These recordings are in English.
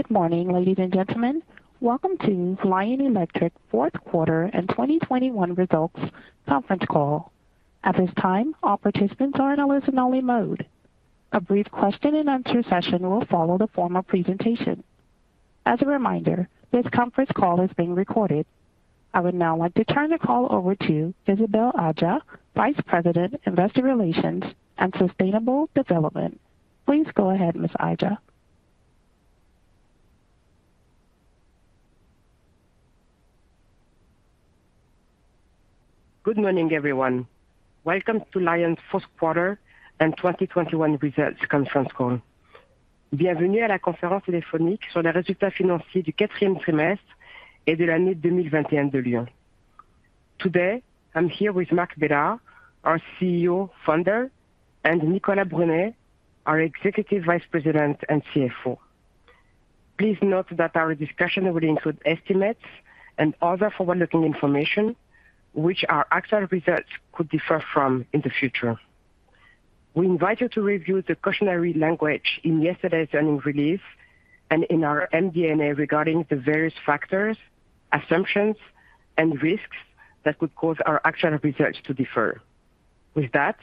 Good morning, ladies and gentlemen. Welcome to Lion Electric fourth quarter and 2021 results conference call. At this time, all participants are in a listen only mode. A brief question and answer session will follow the formal presentation. As a reminder, this conference call is being recorded. I would now like to turn the call over to Isabelle Adjahi, Vice President, Investor Relations and Sustainable Development. Please go ahead, Ms. Adjahi. Good morning, everyone. Welcome to Lion's fourth quarter and 2021 results conference call. Today I'm here with Marc Bédard, our CEO and Founder, and Nicolas Brunet, our Executive Vice President and CFO. Please note that our discussion will include estimates and other forward-looking information which our actual results could differ from in the future. We invite you to review the cautionary language in yesterday's earnings release and in our MD&A regarding the various factors, assumptions and risks that could cause our actual results to differ. With that,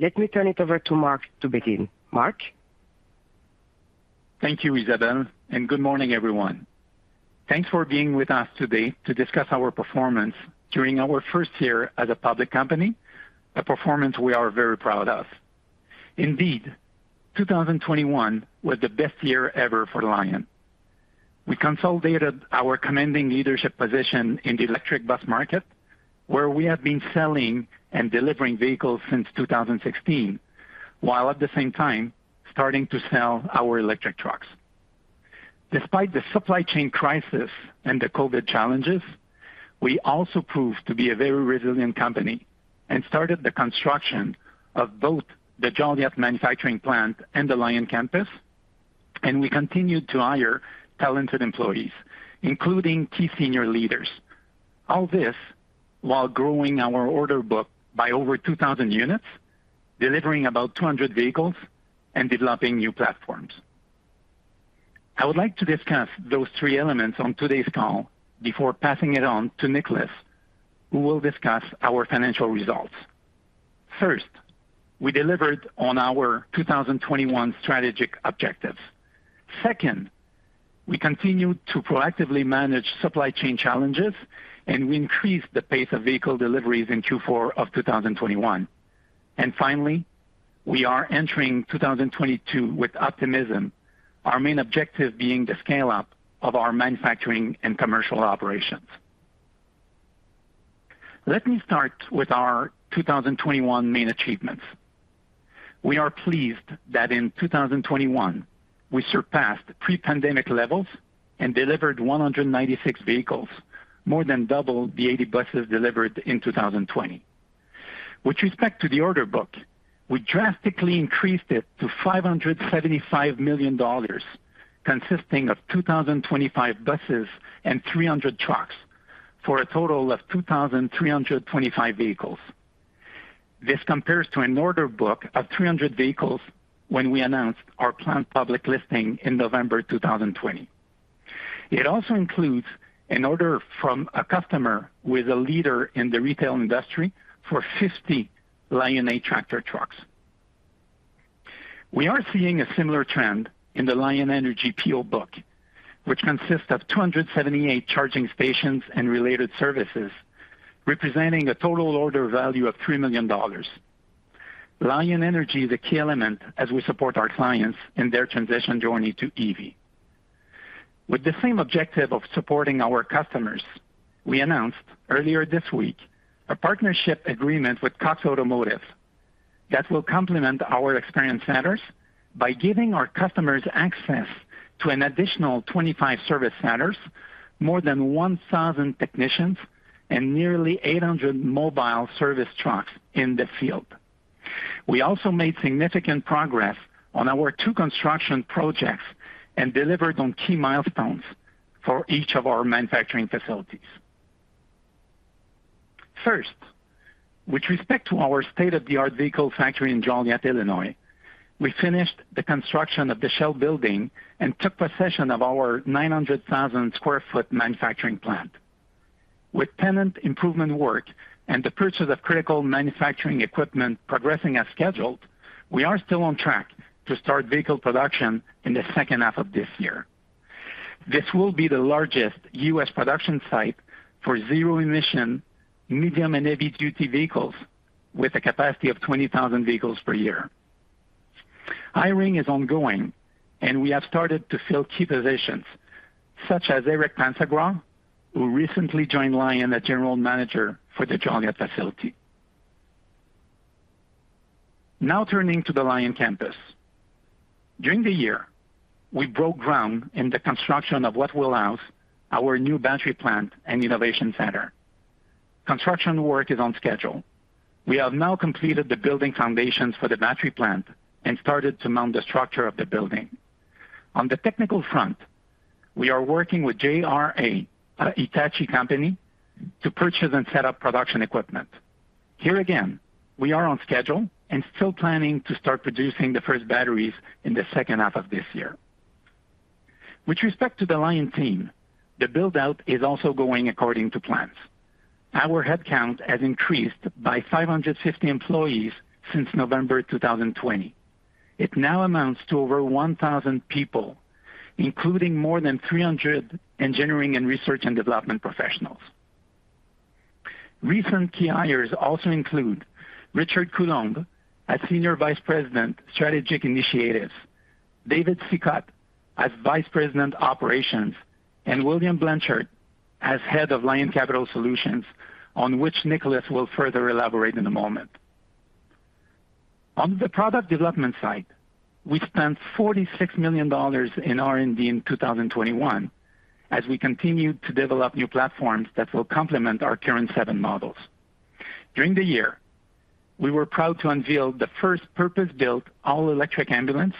let me turn it over to Marc to begin. Marc. Thank you, Isabelle, and good morning, everyone. Thanks for being with us today to discuss our performance during our first year as a public company, a performance we are very proud of. Indeed, 2021 was the best year ever for Lion. We consolidated our commanding leadership position in the electric bus market where we have been selling and delivering vehicles since 2016, while at the same time, starting to sell our electric trucks. Despite the supply chain crisis and the COVID challenges, we also proved to be a very resilient company and started the construction of both the Joliet manufacturing plant and the Lion campus. We continued to hire talented employees, including key senior leaders. All this while growing our order book by over 2,000 units, delivering about 200 vehicles and developing new platforms. I would like to discuss those three elements on today's call before passing it on to Nicolas, who will discuss our financial results. First, we delivered on our 2021 strategic objectives. Second, we continued to proactively manage supply chain challenges, and we increased the pace of vehicle deliveries in Q4 of 2021. Finally, we are entering 2022 with optimism. Our main objective being the scale up of our manufacturing and commercial operations. Let me start with our 2021 main achievements. We are pleased that in 2021 we surpassed pre-pandemic levels and delivered 196 vehicles, more than double the 80 buses delivered in 2020. With respect to the order book, we drastically increased it to $575 million, consisting of 2,025 buses and 300 trucks, for a total of 2,325 vehicles. This compares to an order book of 300 vehicles when we announced our planned public listing in November 2020. It also includes an order from a customer with a leader in the retail industry for 50 Lion8 tractor trucks. We are seeing a similar trend in the Lion Energy PO book, which consists of 278 charging stations and related services, representing a total order value of $3 million. Lion Energy is a key element as we support our clients in their transition journey to EV. With the same objective of supporting our customers, we announced earlier this week a partnership agreement with Cox Automotive that will complement our experience centers by giving our customers access to an additional 25 service centers, more than 1,000 technicians and nearly 800 mobile service trucks in the field. We also made significant progress on our two construction projects and delivered on key milestones for each of our manufacturing facilities. First, with respect to our state-of-the-art vehicle factory in Joliet, Illinois, we finished the construction of the shell building and took possession of our 900,000 sq ft manufacturing plant. With tenant improvement work and the purchase of critical manufacturing equipment progressing as scheduled, we are still on track to start vehicle production in the second half of this year. This will be the largest U.S. production site for zero-emission, medium- and heavy-duty vehicles with a capacity of 20,000 vehicles per year. Hiring is ongoing, and we have started to fill key positions such as Eric Pansegrau, who recently joined Lion as General Manager for the Joliet facility. Now turning to the Lion campus. During the year, we broke ground in the construction of what will house our new battery plant and innovation center. Construction work is on schedule. We have now completed the building foundations for the battery plant and started to mount the structure of the building. On the technical front, we are working with JR Automation, a Hitachi company, to purchase and set up production equipment. Here again, we are on schedule and still planning to start producing the first batteries in the second half of this year. With respect to the Lion team, the build-out is also going according to plans. Our headcount has increased by 550 employees since November 2020. It now amounts to over 1,000 people, including more than 300 engineering and research and development professionals. Recent key hires also include Richard Coulombe as Senior Vice President, Strategic Initiatives, David Sicotte as Vice President, Operations, and William Blanchard as Head of LionCapital Solutions, on which Nicolas will further elaborate in a moment. On the product development side, we spent 46 million dollars in R&D in 2021 as we continue to develop new platforms that will complement our current seven models. During the year, we were proud to unveil the first purpose-built all-electric ambulance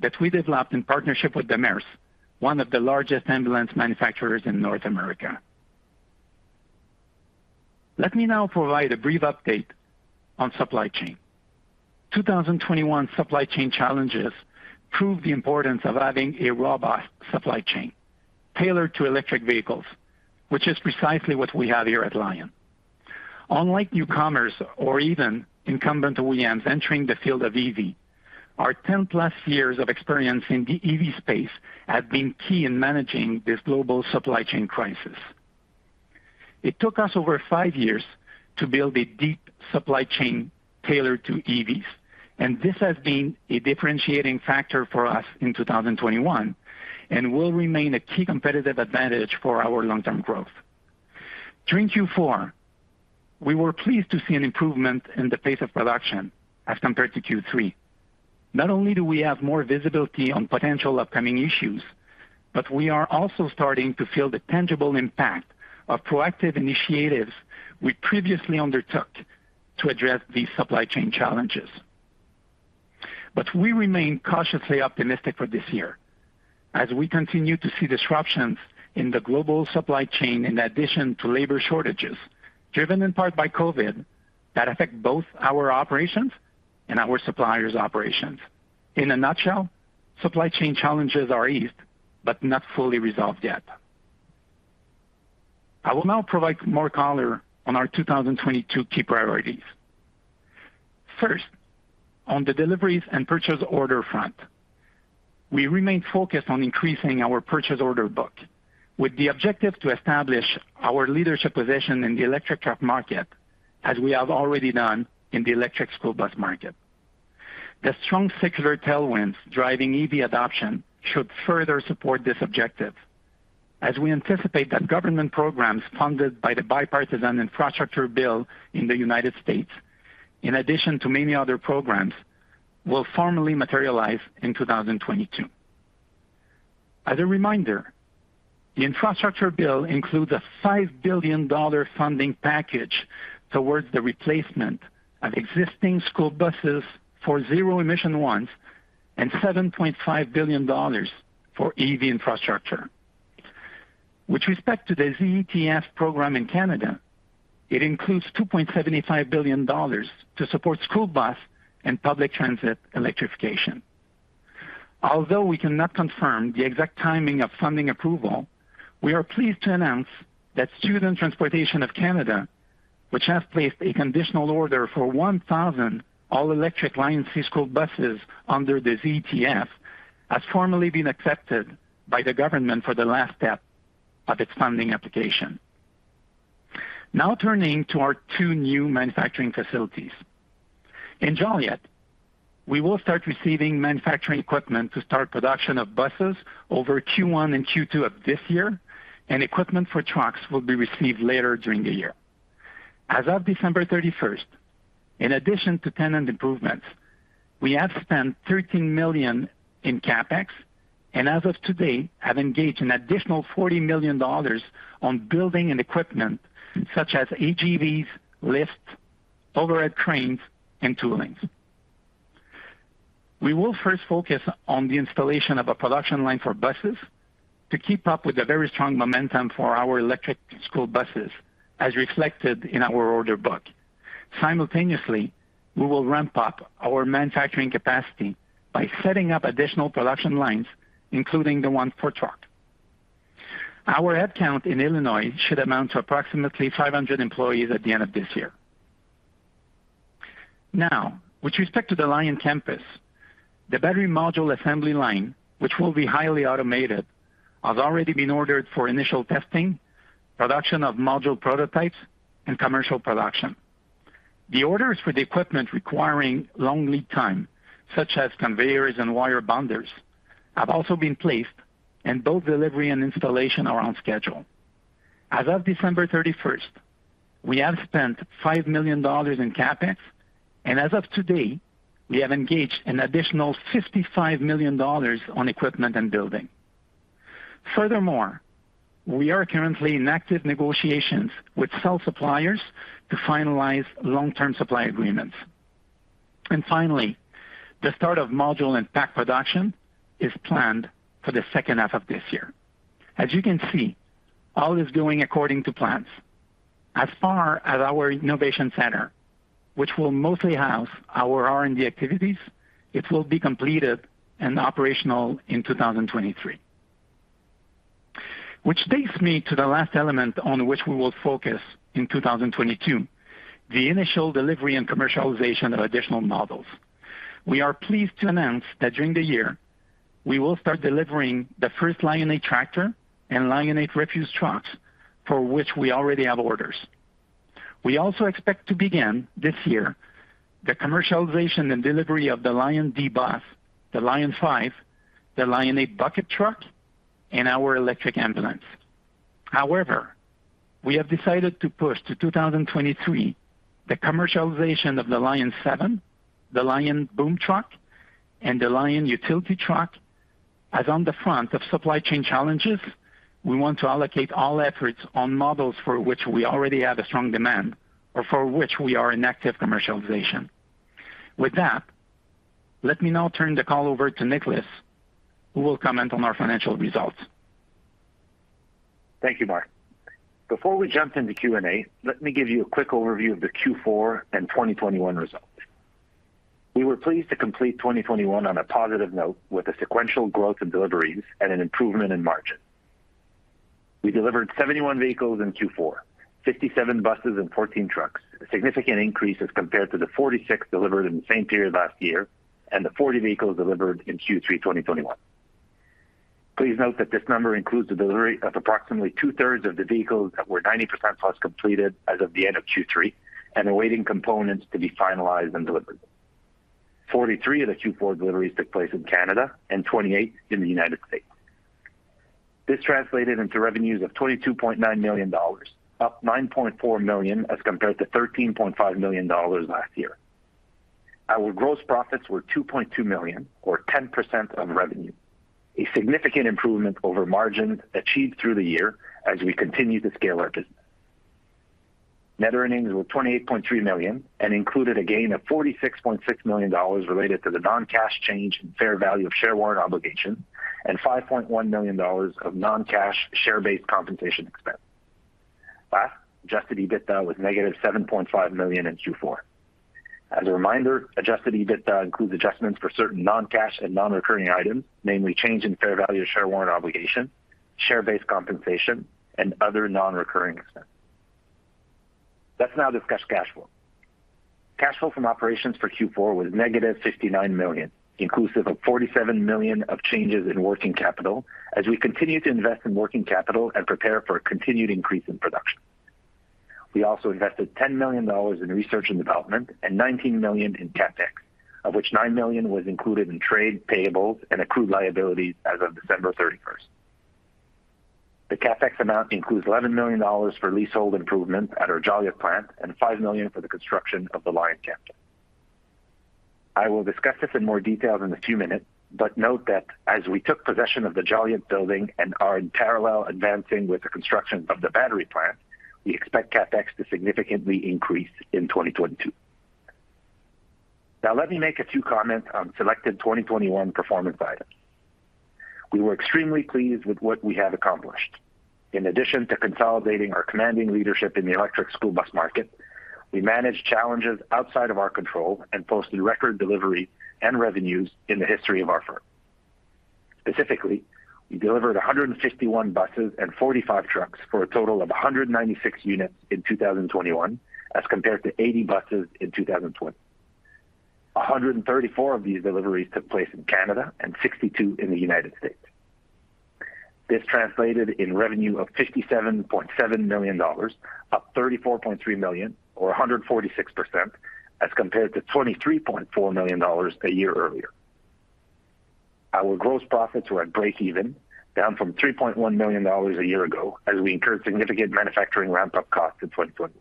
that we developed in partnership with Demers, one of the largest ambulance manufacturers in North America. Let me now provide a brief update on supply chain. 2021 supply chain challenges prove the importance of having a robust supply chain tailored to electric vehicles, which is precisely what we have here at Lion. Unlike newcomers or even incumbent OEMs entering the field of EV, our 10+ years of experience in the EV space have been key in managing this global supply chain crisis. It took us over five years to build a deep supply chain tailored to EVs, and this has been a differentiating factor for us in 2021 and will remain a key competitive advantage for our long-term growth. During Q4, we were pleased to see an improvement in the pace of production as compared to Q3. Not only do we have more visibility on potential upcoming issues, but we are also starting to feel the tangible impact of proactive initiatives we previously undertook to address these supply chain challenges. We remain cautiously optimistic for this year as we continue to see disruptions in the global supply chain, in addition to labor shortages, driven in part by COVID, that affect both our operations and our suppliers' operations. In a nutshell, supply chain challenges are eased but not fully resolved yet. I will now provide more color on our 2022 key priorities. First, on the deliveries and purchase order front, we remain focused on increasing our purchase order book with the objective to establish our leadership position in the electric truck market, as we have already done in the electric school bus market. The strong secular tailwinds driving EV adoption should further support this objective as we anticipate that government programs funded by the bipartisan infrastructure bill in the United States, in addition to many other programs, will formally materialize in 2022. As a reminder, the infrastructure bill includes a $5 billion funding package towards the replacement of existing school buses for zero-emission ones and $7.5 billion for EV infrastructure. With respect to the ZEF program in Canada, it includes 2.75 billion dollars to support school bus and public transit electrification. Although we cannot confirm the exact timing of funding approval, we are pleased to announce that Student Transportation of Canada, which has placed a conditional order for 1,000 all-electric LionC school buses under the ZEF, has formally been accepted by the government for the last step of its funding application. Now turning to our two new manufacturing facilities. In Joliet, we will start receiving manufacturing equipment to start production of buses over Q1 and Q2 of this year, and equipment for trucks will be received later during the year. As of December 31, in addition to tenant improvements, we have spent $13 million in CapEx, and as of today, have engaged an additional $40 million on building and equipment such as AGVs, lifts, overhead cranes, and toolings. We will first focus on the installation of a production line for buses to keep up with the very strong momentum for our electric school buses as reflected in our order book. Simultaneously, we will ramp up our manufacturing capacity by setting up additional production lines, including the one for truck. Our headcount in Illinois should amount to approximately 500 employees at the end of this year. Now, with respect to the Lion campus, the battery module assembly line, which will be highly automated, has already been ordered for initial testing, production of module prototypes, and commercial production. The orders for the equipment requiring long lead time, such as conveyors and wire bonders, have also been placed, and both delivery and installation are on schedule. As of December 31, we have spent $5 million in CapEx, and as of today, we have engaged an additional $55 million on equipment and building. Furthermore, we are currently in active negotiations with cell suppliers to finalize long-term supply agreements. Finally, the start of module and pack production is planned for the second half of this year. As you can see, all is going according to plans. As far as our innovation center, which will mostly house our R&D activities, it will be completed and operational in 2023. Which takes me to the last element on which we will focus in 2022, the initial delivery and commercialization of additional models. We are pleased to announce that during the year, we will start delivering the first Lion8 Tractor and Lion8 Refuse trucks, for which we already have orders. We also expect to begin this year the commercialization and delivery of the LionD, the Lion5, the Lion8 bucket truck, and our electric ambulance. However, we have decided to push to 2023 the commercialization of the Lion7, the LionBoom truck, and the Lion8 utility truck, as on the front of supply chain challenges, we want to allocate all efforts on models for which we already have a strong demand or for which we are in active commercialization. With that, let me now turn the call over to Nicolas, who will comment on our financial results. Thank you, Marc. Before we jump into Q&A, let me give you a quick overview of the Q4 and 2021 results. We were pleased to complete 2021 on a positive note with a sequential growth in deliveries and an improvement in margin. We delivered 71 vehicles in Q4, 57 buses and 14 trucks, a significant increase as compared to the 46 delivered in the same period last year and the 40 vehicles delivered in Q3 2021. Please note that this number includes the delivery of approximately 2/3 of the vehicles that were 90% plus completed as of the end of Q3 and awaiting components to be finalized and delivered. 43 of the Q4 deliveries took place in Canada and 28 in the United States. This translated into revenues of $22.9 million, up $9.4 million as compared to $13.5 million last year. Our gross profits were $2.2 million or 10% of revenue, a significant improvement over margins achieved through the year as we continue to scale our business. Net earnings were $28.3 million and included a gain of $46.6 million related to the non-cash change in fair value of share warrant obligation and $5.1 million of non-cash share-based compensation expense. Last, adjusted EBITDA was negative $7.5 million in Q4. As a reminder, adjusted EBITDA includes adjustments for certain non-cash and non-recurring items, namely change in fair value of share warrant obligation, share-based compensation, and other non-recurring expenses. Let's now discuss cash flow. Cash flow from operations for Q4 was -59 million, inclusive of 47 million of changes in working capital as we continue to invest in working capital and prepare for a continued increase in production. We also invested 10 million dollars in research and development and 19 million in CapEx, of which 9 million was included in trade payables and accrued liabilities as of December 31. The CapEx amount includes 11 million dollars for leasehold improvements at our Joliet plant and 5 million for the construction of the Lion campus. I will discuss this in more detail in a few minutes, but note that as we took possession of the Joliet building and are in parallel advancing with the construction of the battery plant, we expect CapEx to significantly increase in 2022. Now let me make a few comments on selected 2021 performance items. We were extremely pleased with what we have accomplished. In addition to consolidating our commanding leadership in the electric school bus market, we managed challenges outside of our control and posted record delivery and revenues in the history of our firm. Specifically, we delivered 151 buses and 45 trucks for a total of 196 units in 2021 as compared to 80 buses in 2020. 134 of these deliveries took place in Canada and 62 in the United States. This translated in revenue of 57.7 million dollars, up 34.3 million or 146% as compared to 23.4 million dollars a year earlier. Our gross profits were at breakeven, down from 3.1 million dollars a year ago, as we incurred significant manufacturing ramp-up costs in 2021.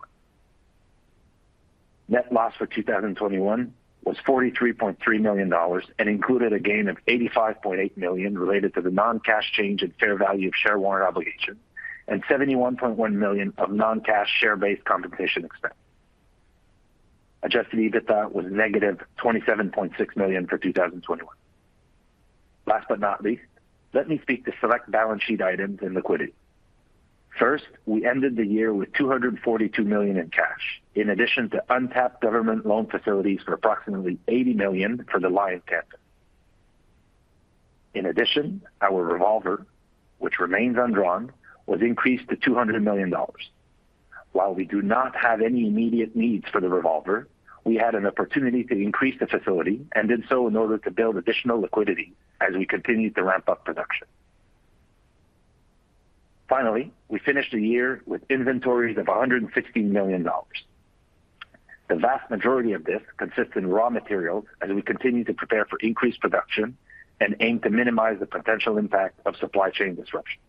Net loss for 2021 was 43.3 million dollars and included a gain of 85.8 million related to the non-cash change in fair value of share warrant obligation and 71.1 million of non-cash share-based compensation expense. Adjusted EBITDA was negative 27.6 million for 2021. Last but not least, let me speak to select balance sheet items and liquidity. First, we ended the year with 242 million in cash, in addition to untapped government loan facilities for approximately 80 million for the Lion campus. In addition, our revolver, which remains undrawn, was increased to 200 million dollars. While we do not have any immediate needs for the revolver, we had an opportunity to increase the facility and did so in order to build additional liquidity as we continued to ramp up production. Finally, we finished the year with inventories of 160 million dollars. The vast majority of this consists in raw materials as we continue to prepare for increased production and aim to minimize the potential impact of supply chain disruption.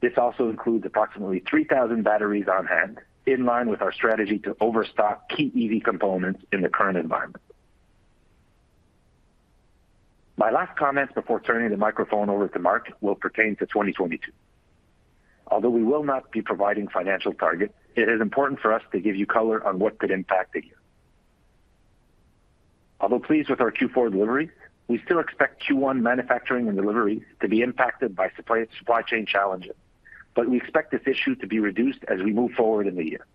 This also includes approximately 3,000 batteries on hand in line with our strategy to overstock key EV components in the current environment. My last comments before turning the microphone over to Marc will pertain to 2022. Although we will not be providing financial targets, it is important for us to give you color on what could impact the year. Although pleased with our Q4 delivery, we still expect Q1 manufacturing and delivery to be impacted by supply chain challenges. We expect this issue to be reduced as we move forward in the year.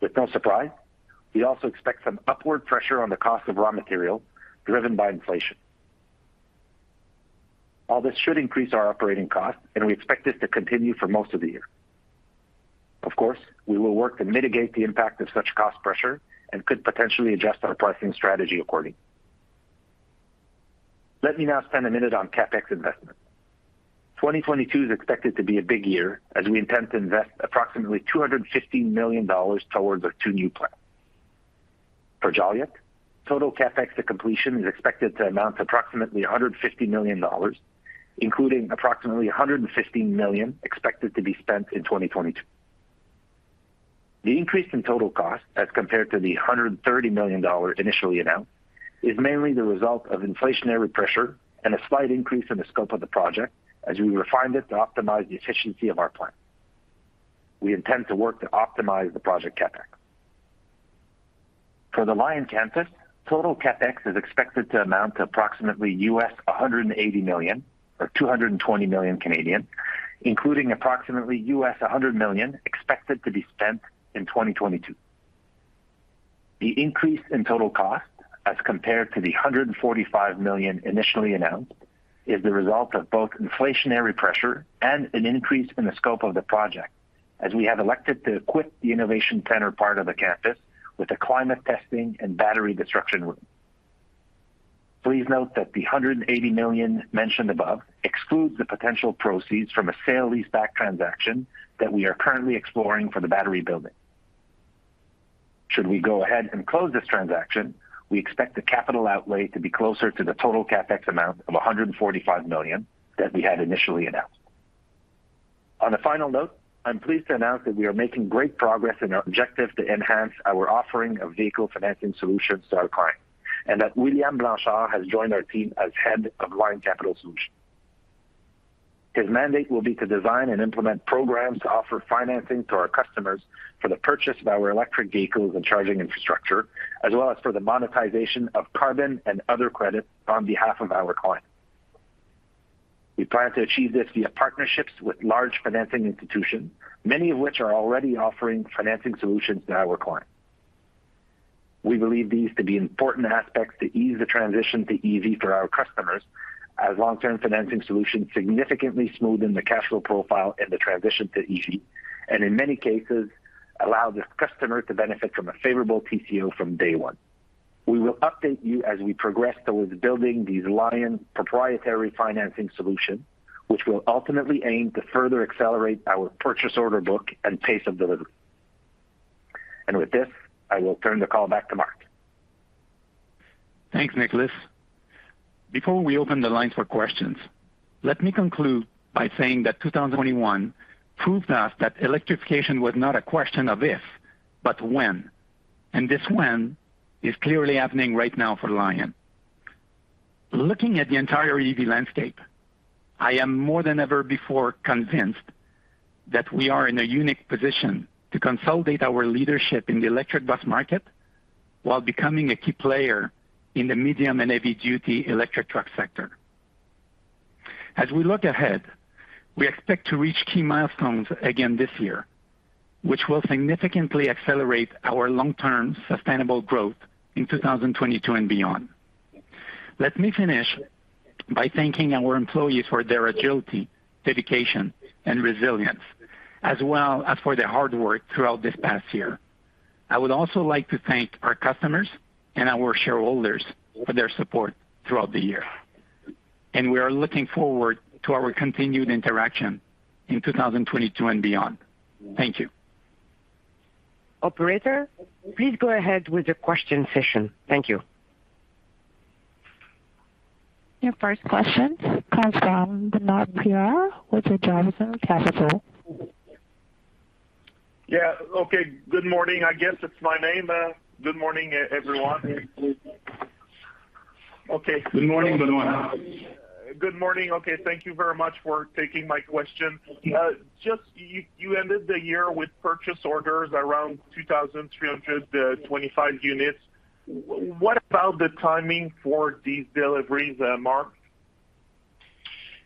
With no surprise, we also expect some upward pressure on the cost of raw materials driven by inflation. All this should increase our operating costs, and we expect this to continue for most of the year. Of course, we will work to mitigate the impact of such cost pressure and could potentially adjust our pricing strategy accordingly. Let me now spend a minute on CapEx investment. 2022 is expected to be a big year as we intend to invest approximately 250 million dollars towards our two new plants. For Joliet, total CapEx to completion is expected to amount to approximately $150 million, including approximately $115 million expected to be spent in 2022. The increase in total cost as compared to the $130 million initially announced is mainly the result of inflationary pressure and a slight increase in the scope of the project as we refined it to optimize the efficiency of our plant. We intend to work to optimize the project CapEx. For the Lion campus, total CapEx is expected to amount to approximately $180 million or 220 million, including approximately $100 million expected to be spent in 2022. The increase in total cost as compared to the $145 million initially announced is the result of both inflationary pressure and an increase in the scope of the project, as we have elected to equip the innovation center part of the campus with a climate testing and battery destruction room. Please note that the $180 million mentioned above excludes the potential proceeds from a sale leaseback transaction that we are currently exploring for the battery building. Should we go ahead and close this transaction, we expect the capital outlay to be closer to the total CapEx amount of $145 million that we had initially announced. On a final note, I'm pleased to announce that we are making great progress in our objective to enhance our offering of vehicle financing solutions to our clients, and that William Blanchard has joined our team as Head of LionCapital Solutions. His mandate will be to design and implement programs to offer financing to our customers for the purchase of our electric vehicles and charging infrastructure, as well as for the monetization of carbon and other credits on behalf of our clients. We plan to achieve this via partnerships with large financing institutions, many of which are already offering financing solutions to our clients. We believe these to be important aspects to ease the transition to EV for our customers as long-term financing solutions significantly smoothen the cash flow profile and the transition to EV, and in many cases, allow the customer to benefit from a favorable TCO from day one. We will update you as we progress towards building these Lion proprietary financing solution, which will ultimately aim to further accelerate our purchase order book and pace of delivery. With this, I will turn the call back to Marc. Thanks, Nicolas. Before we open the lines for questions, let me conclude by saying that 2021 proved us that electrification was not a question of if, but when. This when is clearly happening right now for Lion. Looking at the entire EV landscape, I am more than ever before convinced that we are in a unique position to consolidate our leadership in the electric bus market while becoming a key player in the medium and heavy duty electric truck sector. As we look ahead, we expect to reach key milestones again this year, which will significantly accelerate our long-term sustainable growth in 2022 and beyond. Let me finish by thanking our employees for their agility, dedication, and resilience, as well as for their hard work throughout this past year. I would also like to thank our customers and our shareholders for their support throughout the year. We are looking forward to our continued interaction in 2022 and beyond. Thank you. Operator, please go ahead with the question session. Thank you. Your first question comes from Benoit Poirier with Desjardins Capital Markets. Yeah. Okay. Good morning. I guess it's my name. Good morning, everyone. Okay. Good morning, Benoit. Good morning. Okay, thank you very much for taking my question. Just, you ended the year with purchase orders around 2,325 units. What about the timing for these deliveries, Marc?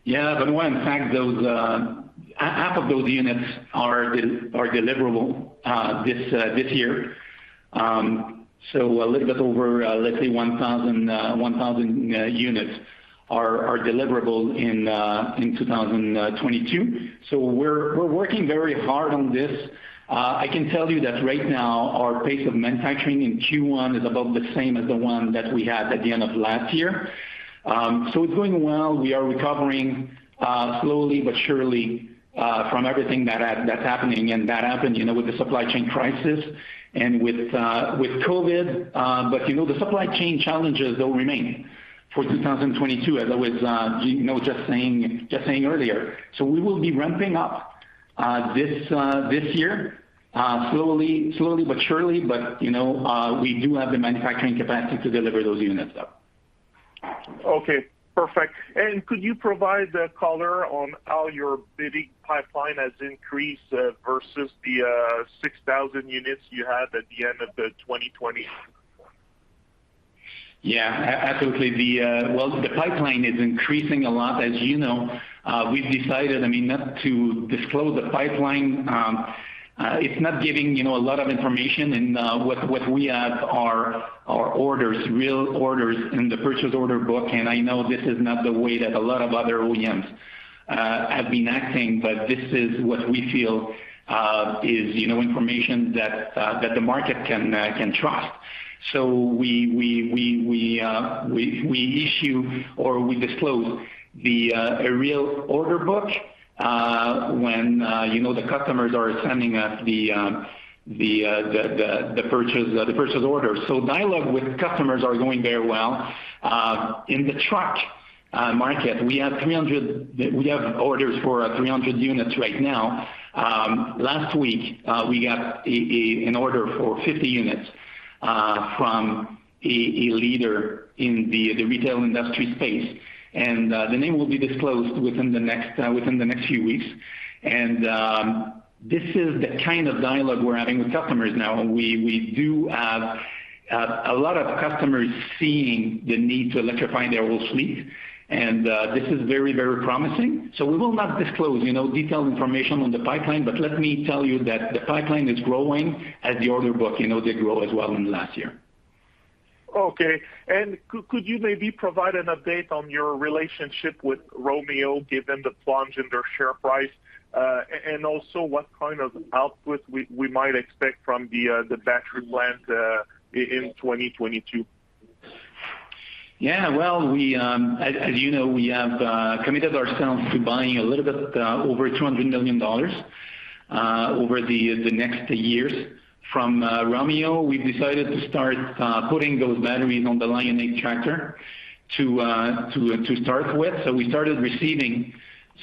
Yeah, Benoit. In fact, half of those units are deliverable this year. A little bit over, let's say 1,000 units are deliverable in 2022. We're working very hard on this. I can tell you that right now our pace of manufacturing in Q1 is about the same as the one that we had at the end of last year. It's going well. We are recovering slowly but surely from everything that's happening and that happened, you know, with the supply chain crisis and with COVID. You know, the supply chain challenges, they'll remain for 2022, as I was, you know, just saying earlier. We will be ramping up this year slowly but surely, but you know, we do have the manufacturing capacity to deliver those units up. Okay, perfect. Could you provide a color on how your bidding pipeline has increased versus the 6,000 units you had at the end of 2020? Yeah, absolutely. Well, the pipeline is increasing a lot. As you know, we've decided, I mean, not to disclose the pipeline. It's not giving, you know, a lot of information, and what we have are orders, real orders in the purchase order book. I know this is not the way that a lot of other OEMs have been acting, but this is what we feel is, you know, information that the market can trust. So we issue or we disclose a real order book when, you know, the customers are sending us the purchase order. Dialogue with customers are going very well. In the truck market, we have 300. We have orders for 300 units right now. Last week, we got an order for 50 units from a leader in the retail industry space, and the name will be disclosed within the next few weeks. This is the kind of dialogue we're having with customers now. We do have a lot of customers seeing the need to electrify their whole fleet, and this is very promising. We will not disclose detailed information on the pipeline, but let me tell you that the pipeline is growing as the order book did grow as well last year. Okay. Could you maybe provide an update on your relationship with Romeo, given the plunge in their share price, and also what kind of output we might expect from the battery plant in 2022? Yeah. Well, as you know, we have committed ourselves to buying a little bit over 200 million dollars over the next years from Romeo. We've decided to start putting those batteries on the Lion8 tractor to start with. We started receiving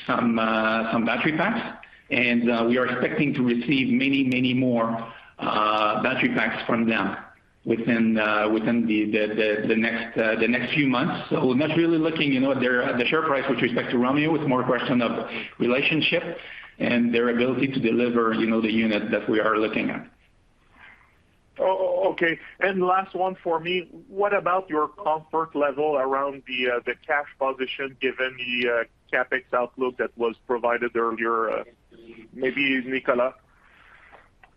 some battery packs, and we are expecting to receive many more battery packs from them within the next few months. Not really looking, you know, at their share price with respect to Romeo. It's more a question of relationship and their ability to deliver, you know, the unit that we are looking at. Okay. Last one for me, what about your comfort level around the cash position given the CapEx outlook that was provided earlier? Maybe Nicolas.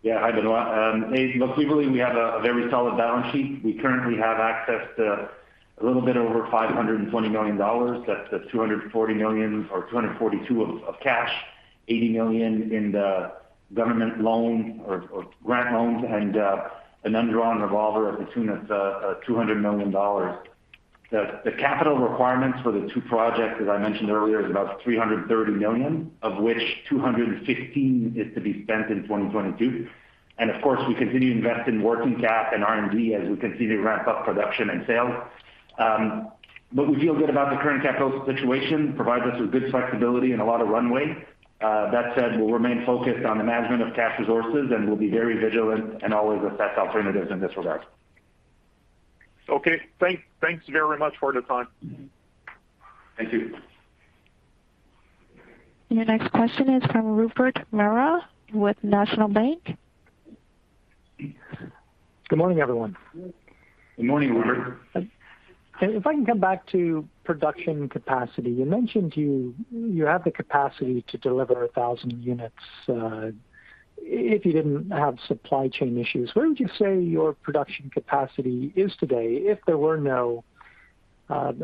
Yeah. Hi, Benoit. Look, we believe we have a very solid balance sheet. We currently have access to a little bit over 520 million dollars. That's 240 million or 242 million of cash, 80 million in the government loan or grant loans, and an undrawn revolver to the tune of 200 million dollars. The capital requirements for the two projects, as I mentioned earlier, is about 330 million, of which 215 million is to be spent in 2022. Of course, we continue to invest in working cap and R&D as we continue to ramp up production and sales. We feel good about the current capital situation, provides us with good flexibility and a lot of runway. That said, we'll remain focused on the management of cash resources, and we'll be very vigilant and always assess alternatives in this regard. Okay. Thanks very much for the time. Thank you. Your next question is from Rupert Merer with National Bank. Good morning, everyone. Good morning, Rupert. If I can come back to production capacity. You mentioned you have the capacity to deliver 1,000 units, if you didn't have supply chain issues. Where would you say your production capacity is today if there were no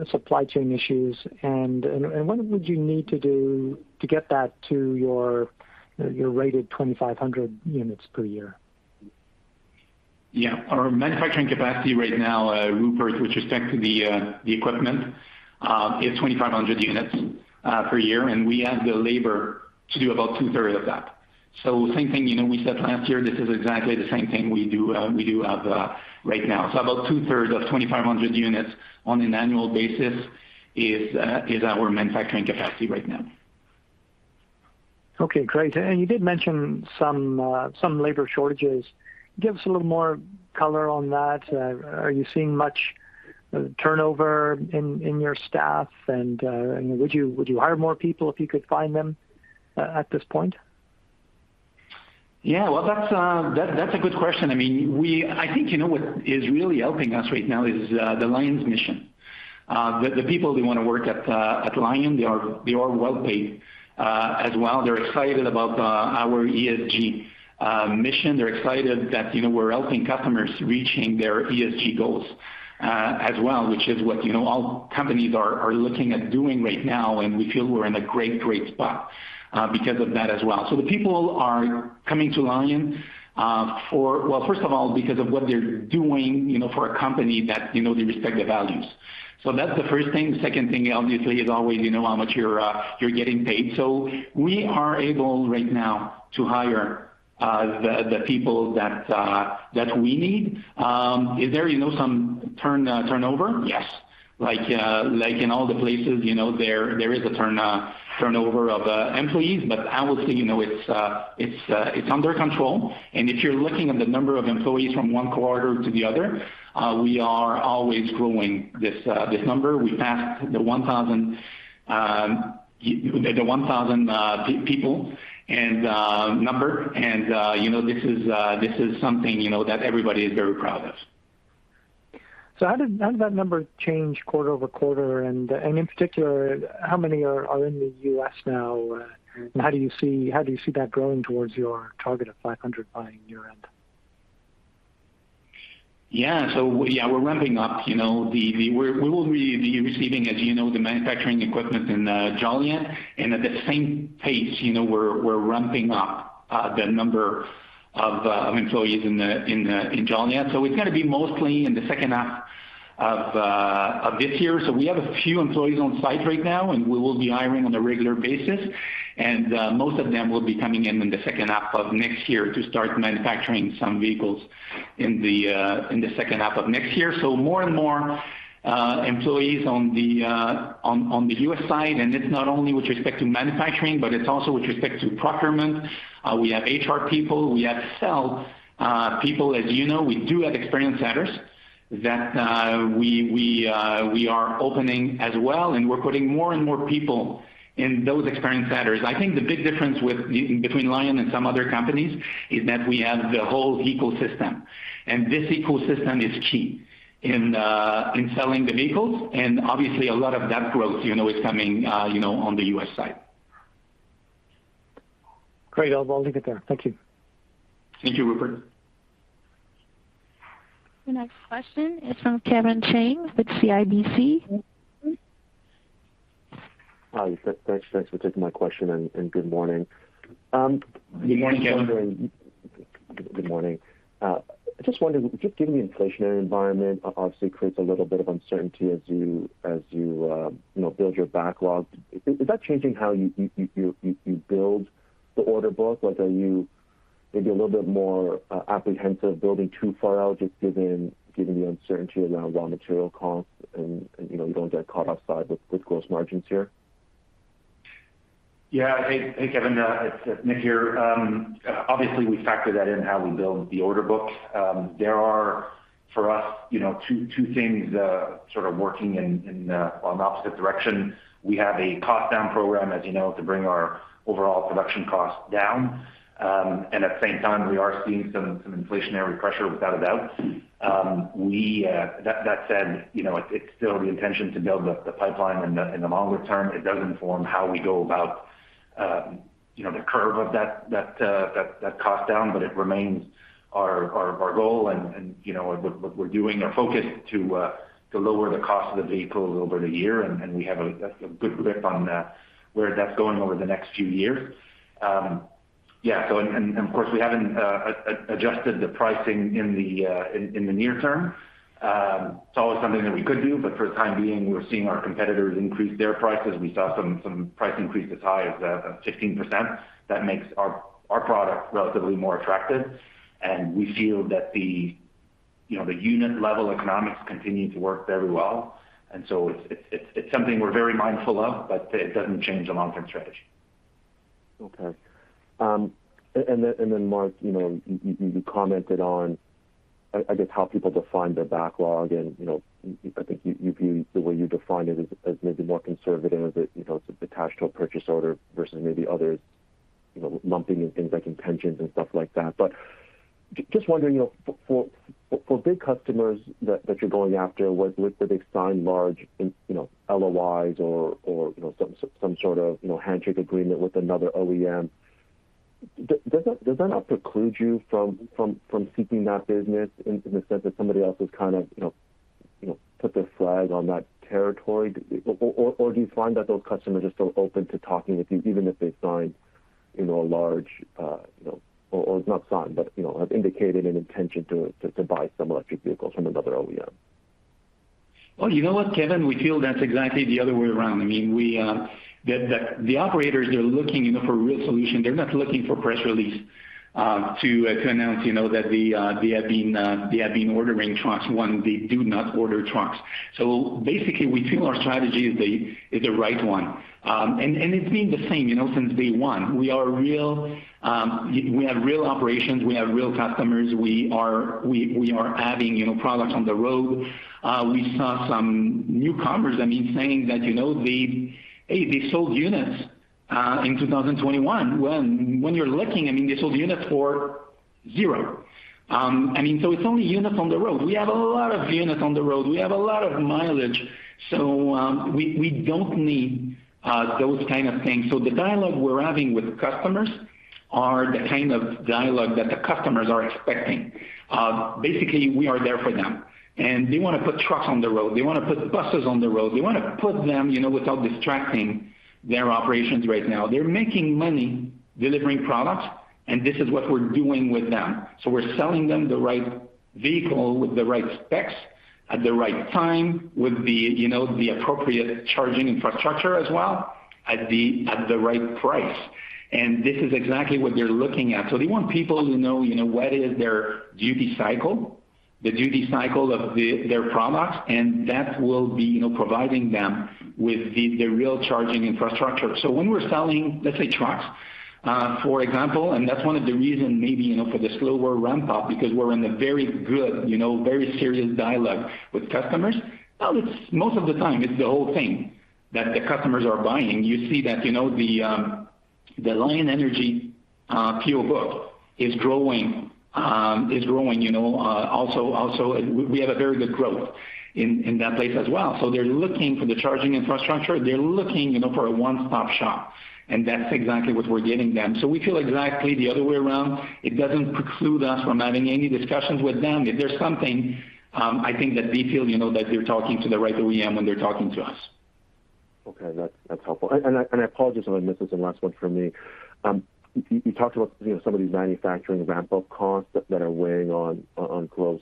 supply chain issues? What would you need to do to get that to your rated 2,500 units per year? Yeah. Our manufacturing capacity right now, Rupert, with respect to the equipment, is 2,500 units per year, and we have the labor to do about 2/3 of that. Same thing, you know, we said last year, this is exactly the same thing we have right now. About 2/3 of 2,500 units on an annual basis is our manufacturing capacity right now. Okay, great. You did mention some labor shortages. Give us a little more color on that. Are you seeing much turnover in your staff? Would you hire more people if you could find them at this point? Yeah. Well, that's a good question. I mean, I think, you know, what is really helping us right now is the Lion's mission. The people, they wanna work at Lion. They are well-paid as well. They're excited about our ESG mission. They're excited that, you know, we're helping customers reaching their ESG goals as well, which is what, you know, all companies are looking at doing right now, and we feel we're in a great spot because of that as well. The people are coming to Lion for well, first of all, because of what they're doing, you know, for a company that, you know, they respect the values. That's the first thing. The second thing obviously is always, you know, how much you're getting paid. We are able right now to hire the people that we need. Is there, you know, some turnover? Yes. Like in all the places, you know, there is a turnover of employees. But I would say, you know, it's under control. If you're looking at the number of employees from one quarter to the other, we are always growing this number. We passed the 1,000 people number. You know, this is something that everybody is very proud of. How did that number change quarter-over-quarter? In particular, how many are in the U.S. now? How do you see that growing towards your target of 500 by year-end? We're ramping up, you know. We will be receiving, as you know, the manufacturing equipment in Joliet. At the same pace, you know, we're ramping up the number of employees in Joliet. It's gonna be mostly in the second half of this year. We have a few employees on site right now, and we will be hiring on a regular basis. Most of them will be coming in in the second half of next year to start manufacturing some vehicles in the second half of next year. More and more employees on the U.S. side. It's not only with respect to manufacturing, but it's also with respect to procurement. We have HR people. We have sales people. As you know, we do have experience centers that we are opening as well, and we're putting more and more people in those experience centers. I think the big difference between Lion and some other companies is that we have the whole ecosystem. This ecosystem is key in selling the vehicles. Obviously a lot of that growth, you know, is coming, you know, on the U.S. side. Great. I'll leave it there. Thank you. Thank you, Rupert. The next question is from Kevin Chiang with CIBC. Hi. Thanks for taking my question and good morning. Good morning, Kevin. Good morning. I just wondered, just given the inflationary environment obviously creates a little bit of uncertainty as you know, build your backlog. Is that changing how you build the order book? Like, are you maybe a little bit more apprehensive building too far out just given the uncertainty around raw material costs and, you know, you don't get caught offside with gross margins here? Hey, Kevin. It's Nick here. Obviously, we factor that in how we build the order book. There are, for us, you know, two things sort of working in opposite directions. We have a cost down program, as you know, to bring our overall production costs down. At the same time we are seeing some inflationary pressure without a doubt. That said, you know, it's still the intention to build up the pipeline in the longer term. It does inform how we go about, you know, the curve of that cost down, but it remains our goal and, you know, what we're doing. Our focus to lower the cost of the vehicles over the year, and we have a good grip on where that's going over the next few years. Of course, we haven't adjusted the pricing in the near term. It's always something that we could do, but for the time being, we're seeing our competitors increase their prices. We saw some price increases as high as 15% that makes our product relatively more attractive. We feel that the, you know, the unit level economics continue to work very well. It's something we're very mindful of, but it doesn't change the long-term strategy. Marc, you know, you commented on I guess how people define their backlog and, you know, I think you've viewed the way you define it as maybe more conservative, you know, it's attached to a purchase order versus maybe others, you know, lumping in things like intentions and stuff like that. Just wondering, you know, for big customers that you're going after, what would they sign large LOIs or you know some sort of you know handshake agreement with another OEM? Does that not preclude you from seeking that business in the sense that somebody else has kind of you know put their flag on that territory? Do you find that those customers are still open to talking with you even if they've signed, you know, a large, you know, or not signed, but you know, have indicated an intention to buy some electric vehicles from another OEM? Well, you know what, Kevin? We feel that's exactly the other way around. I mean, the operators, they're looking, you know, for real solution. They're not looking for press release to announce, you know, that they have been ordering trucks when they do not order trucks. Basically, we feel our strategy is the right one. It's been the same, you know, since day one. We have real operations. We have real customers. We are adding, you know, products on the road. We saw some newcomers, I mean, saying that, you know, "Hey, they sold units in 2021." When you're looking, I mean, they sold units for zero. I mean, it's only units on the road. We have a lot of units on the road. We have a lot of mileage, so we don't need those kind of things. The dialogue we're having with customers are the kind of dialogue that the customers are expecting. Basically, we are there for them, and they wanna put trucks on the road. They wanna put buses on the road. They wanna put them, you know, without distracting their operations right now. They're making money delivering products, and this is what we're doing with them. We're selling them the right vehicle with the right specs at the right time with the, you know, the appropriate charging infrastructure as well at the right price. This is exactly what they're looking at. They want people to know, you know, what is their duty cycle, the duty cycle of their products, and that will be, you know, providing them with the real charging infrastructure. When we're selling, let's say, trucks, for example, and that's one of the reason maybe, you know, for the slower ramp up, because we're in a very good, you know, very serious dialogue with customers. Now, most of the time, it's the whole thing that the customers are buying. You see that, you know, the Lion Energy PO book is growing, you know, also we have a very good growth in that space as well. They're looking for the charging infrastructure. They're looking, you know, for a one-stop shop, and that's exactly what we're giving them. We feel exactly the other way around. It doesn't preclude us from having any discussions with them. If there's something, I think that they feel, you know, that they're talking to the right OEM when they're talking to us. That's helpful. I apologize if I missed this in last one from me. You talked about, you know, some of these manufacturing ramp-up costs that are weighing on gross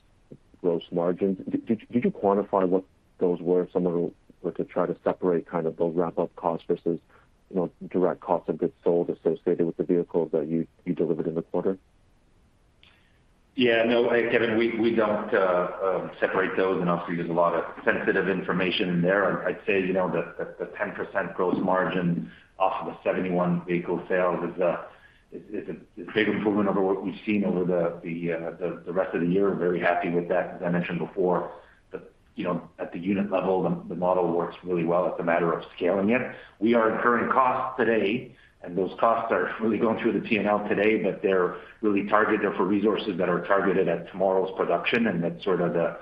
margins. Did you quantify what those were if someone were to try to separate kind of those ramp-up costs versus, you know, direct cost of goods sold associated with the vehicles that you delivered in the quarter? Yeah, no, Kevin, we don't separate those. Obviously, there's a lot of sensitive information in there. I'd say, you know, the 10% gross margin off of the 71 vehicle sales is a big improvement over what we've seen over the rest of the year. Very happy with that. As I mentioned before, you know, at the unit level, the model works really well. It's a matter of scaling it. We are incurring costs today, and those costs are really going through the P&L today, but they're really targeted, they're for resources that are targeted at tomorrow's production, and that's sort of the,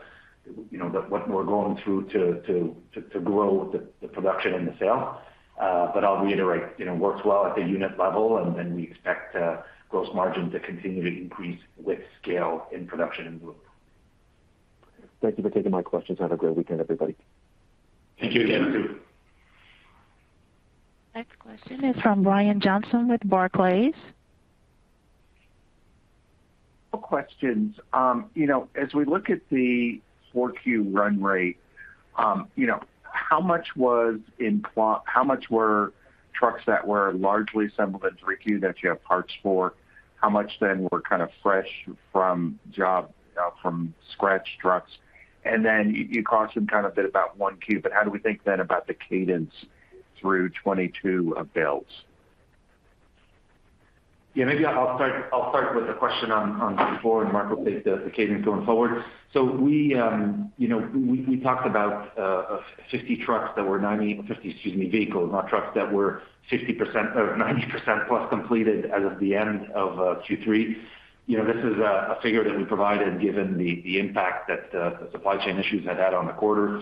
you know, what we're going through to grow the production and the sale. I'll reiterate, you know, works well at the unit level, and then we expect gross margin to continue to increase with scale in production and growth. Thank you for taking my questions. Have a great weekend, everybody. Thank you, Kevin. Thank you. Next question is from Brian Johnson with Barclays. A couple questions. You know, as we look at the 4Q run rate, you know, how much were trucks that were largely assembled in 3Q that you have parts for? How much then were kind of fresh from scratch trucks? You cautioned kind of a bit about 1Q, but how do we think then about the cadence through 2022 of builds? Yeah, maybe I'll start with the question on Q4, and Marc will take the cadence going forward. We talked about 50 vehicles that were 90% plus completed as of the end of Q3. You know, this is a figure that we provided given the impact that the supply chain issues had on the quarter.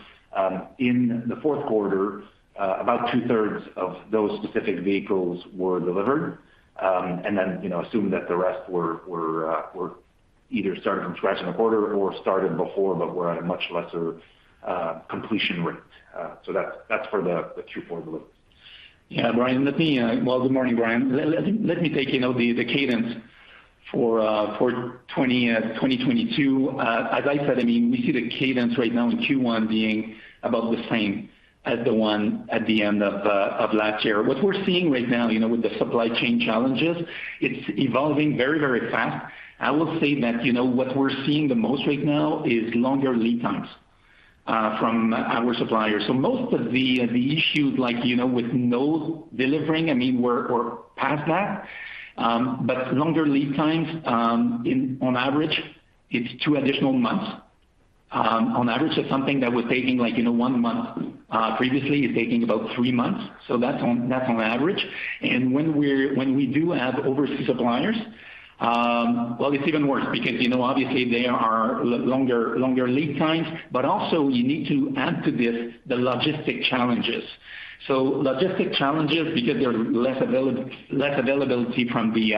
In the fourth quarter, about 2/3 of those specific vehicles were delivered. You know, assume that the rest were either started from scratch in the quarter or started before but were at a much lesser completion rate. That's for the Q4 delivery. Yeah. Brian, let me. Well, good morning, Brian. Let me take, you know, the cadence for 2022. As I said, I mean, we see the cadence right now in Q1 being about the same as the one at the end of last year. What we're seeing right now, you know, with the supply chain challenges, it's evolving very, very fast. I will say that, you know, what we're seeing the most right now is longer lead times from our suppliers. So most of the issues like, you know, with no deliveries, I mean, we're past that. But longer lead times, on average it's two additional months. On average, it's something that was taking, like, you know, one month previously is taking about three months. So that's on average. When we do have overseas suppliers, well, it's even worse because, you know, obviously there are longer lead times, but also you need to add to this the logistic challenges because there are less availability from the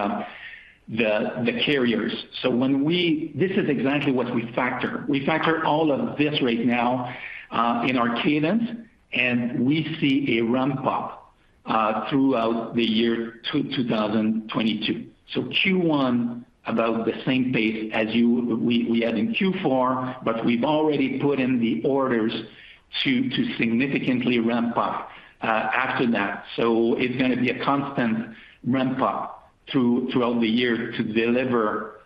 carriers. This is exactly what we factor. We factor all of this right now in our cadence, and we see a ramp up throughout the year 2022. Q1 about the same pace as we had in Q4, but we've already put in the orders to significantly ramp up after that. It's gonna be a constant ramp up throughout the year to deliver,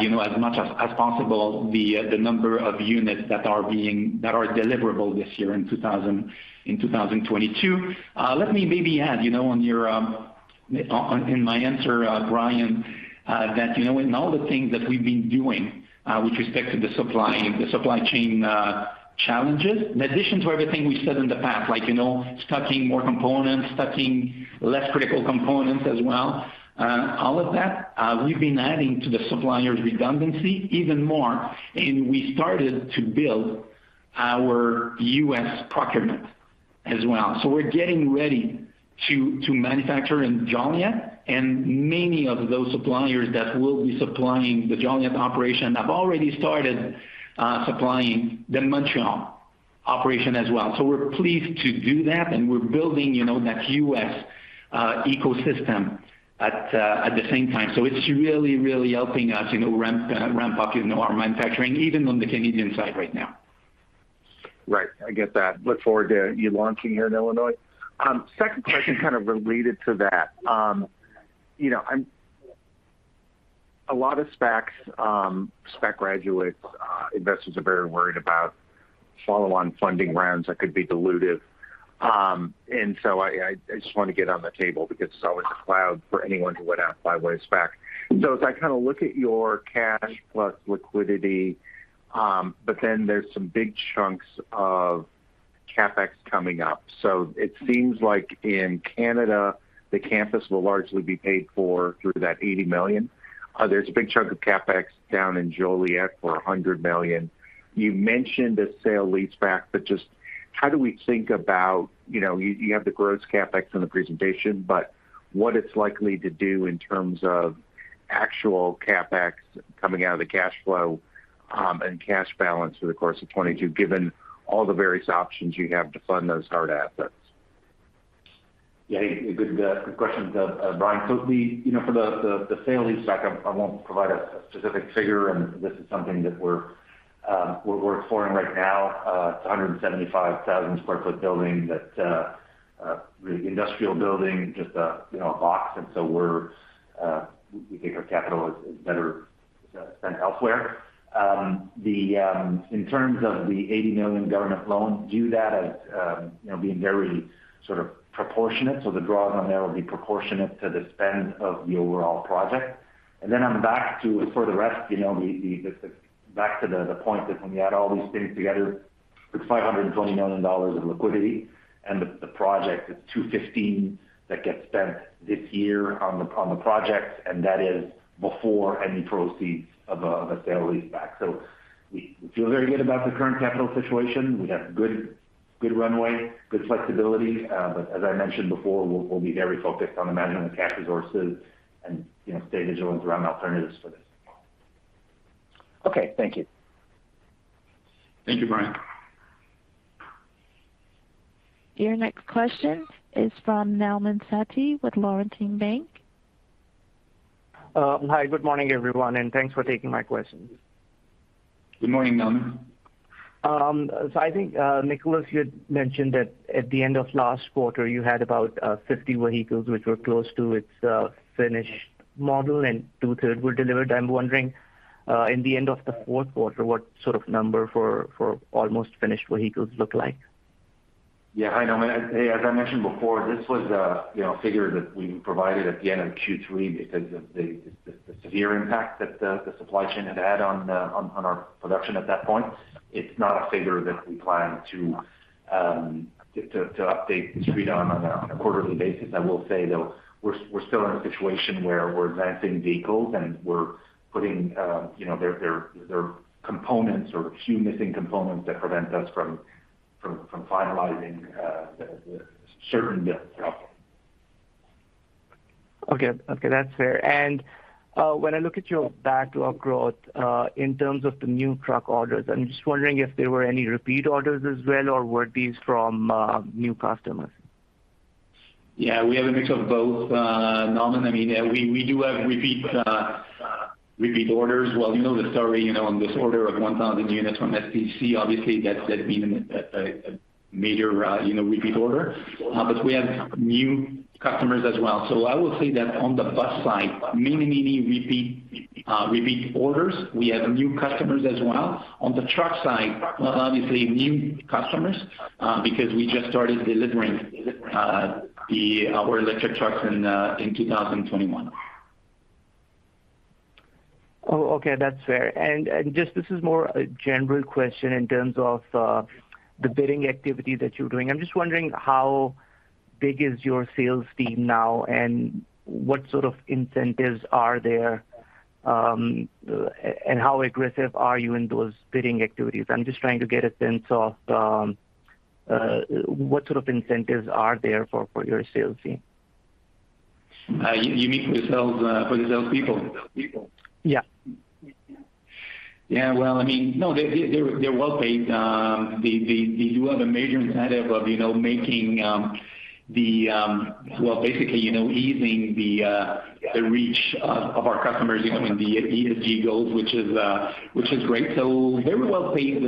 you know, as much as possible the number of units that are deliverable this year in 2022. Let me maybe add, you know, Brian, that, you know, in all the things that we've been doing with respect to the supply chain challenges. In addition to everything we've said in the past, like, you know, stocking more components, stocking less critical components as well, all of that, we've been adding to the suppliers' redundancy even more, and we started to build our U.S. procurement as well. We're getting ready to manufacture in Joliet, and many of those suppliers that will be supplying the Joliet operation have already started supplying the Montreal operation as well. We're pleased to do that, and we're building you know that U.S. ecosystem at the same time. It's really helping us you know ramp up you know our manufacturing even on the Canadian side right now. Right. I get that. Look forward to you launching here in Illinois. Second question kind of related to that. You know, a lot of SPACs, SPAC graduates, investors are very worried about follow-on funding rounds that could be dilutive. I just want to get on the table because it's always a cloud for anyone who went out and bought a SPAC. As I kinda look at your cash plus liquidity, but then there's some big chunks of CapEx coming up. It seems like in Canada, the campus will largely be paid for through that 80 million. There's a big chunk of CapEx down in Joliet for $100 million. You mentioned a sale leaseback, but just how do we think about, you know. You have the gross CapEx in the presentation, but what it's likely to do in terms of actual CapEx coming out of the cash flow, and cash balance through the course of 2022, given all the various options you have to fund those hard assets? A good question, Brian. You know, for the sale leaseback, I won't provide a specific figure, and this is something that we're exploring right now. It's a 175,000 sq ft building, a really industrial building, just a you know, a box. We think our capital is better spent elsewhere. In terms of the 80 million government loan, view that as you know, being very sort of proportionate. The draws on there will be proportionate to the spend of the overall project. I'm back to the point that when you add all these things together, it's 520 million dollars in liquidity, and the project is 215 million that gets spent this year on the project, and that is before any proceeds of a sale leaseback. We feel very good about the current capital situation. We have good runway, good flexibility. As I mentioned before, we'll be very focused on the management of cash resources and, you know, stay vigilant around alternatives for this. Okay. Thank you. Thank you, Brian. Your next question is from Nauman Satti with Laurentian Bank. Hi, good morning, everyone, and thanks for taking my questions. Good morning, Nauman. I think, Nicolas, you had mentioned that at the end of last quarter, you had about 50 vehicles which were close to its finished model and 2/3 were delivered. I'm wondering, in the end of the fourth quarter, what sort of number for almost finished vehicles look like? Yeah, hi, Nauman. As I mentioned before, this was a, you know, figure that we provided at the end of Q3 because of the severe impact that the supply chain had on our production at that point. It's not a figure that we plan to update the street on a quarterly basis. I will say, though, we're still in a situation where we're advancing vehicles and we're putting, you know, their components or a few missing components that prevent us from finalizing the certain vehicles. Okay. Okay, that's fair. When I look at your backlog growth, in terms of the new truck orders, I'm just wondering if there were any repeat orders as well, or were these from new customers? Yeah, we have a mix of both, Nauman. I mean, we do have repeat orders. Well, you know the story, you know, on this order of 1,000 units from STC, obviously that's been a major, you know, repeat order. We have new customers as well. I will say that on the bus side, many repeat orders. We have new customers as well. On the truck side, obviously new customers, because we just started delivering our electric trucks in 2021. Oh, okay. That's fair. This is more a general question in terms of the bidding activity that you're doing. I'm just wondering how big is your sales team now, and what sort of incentives are there, and how aggressive are you in those bidding activities? I'm just trying to get a sense of what sort of incentives are there for your sales team. You mean for the sales people? Yeah. Yeah. Well, I mean, no, they're well paid. They do have a major incentive of, you know, making the. Well, basically, you know, easing the reach of our customers, you know, in the ESG goals, which is great. Very well paid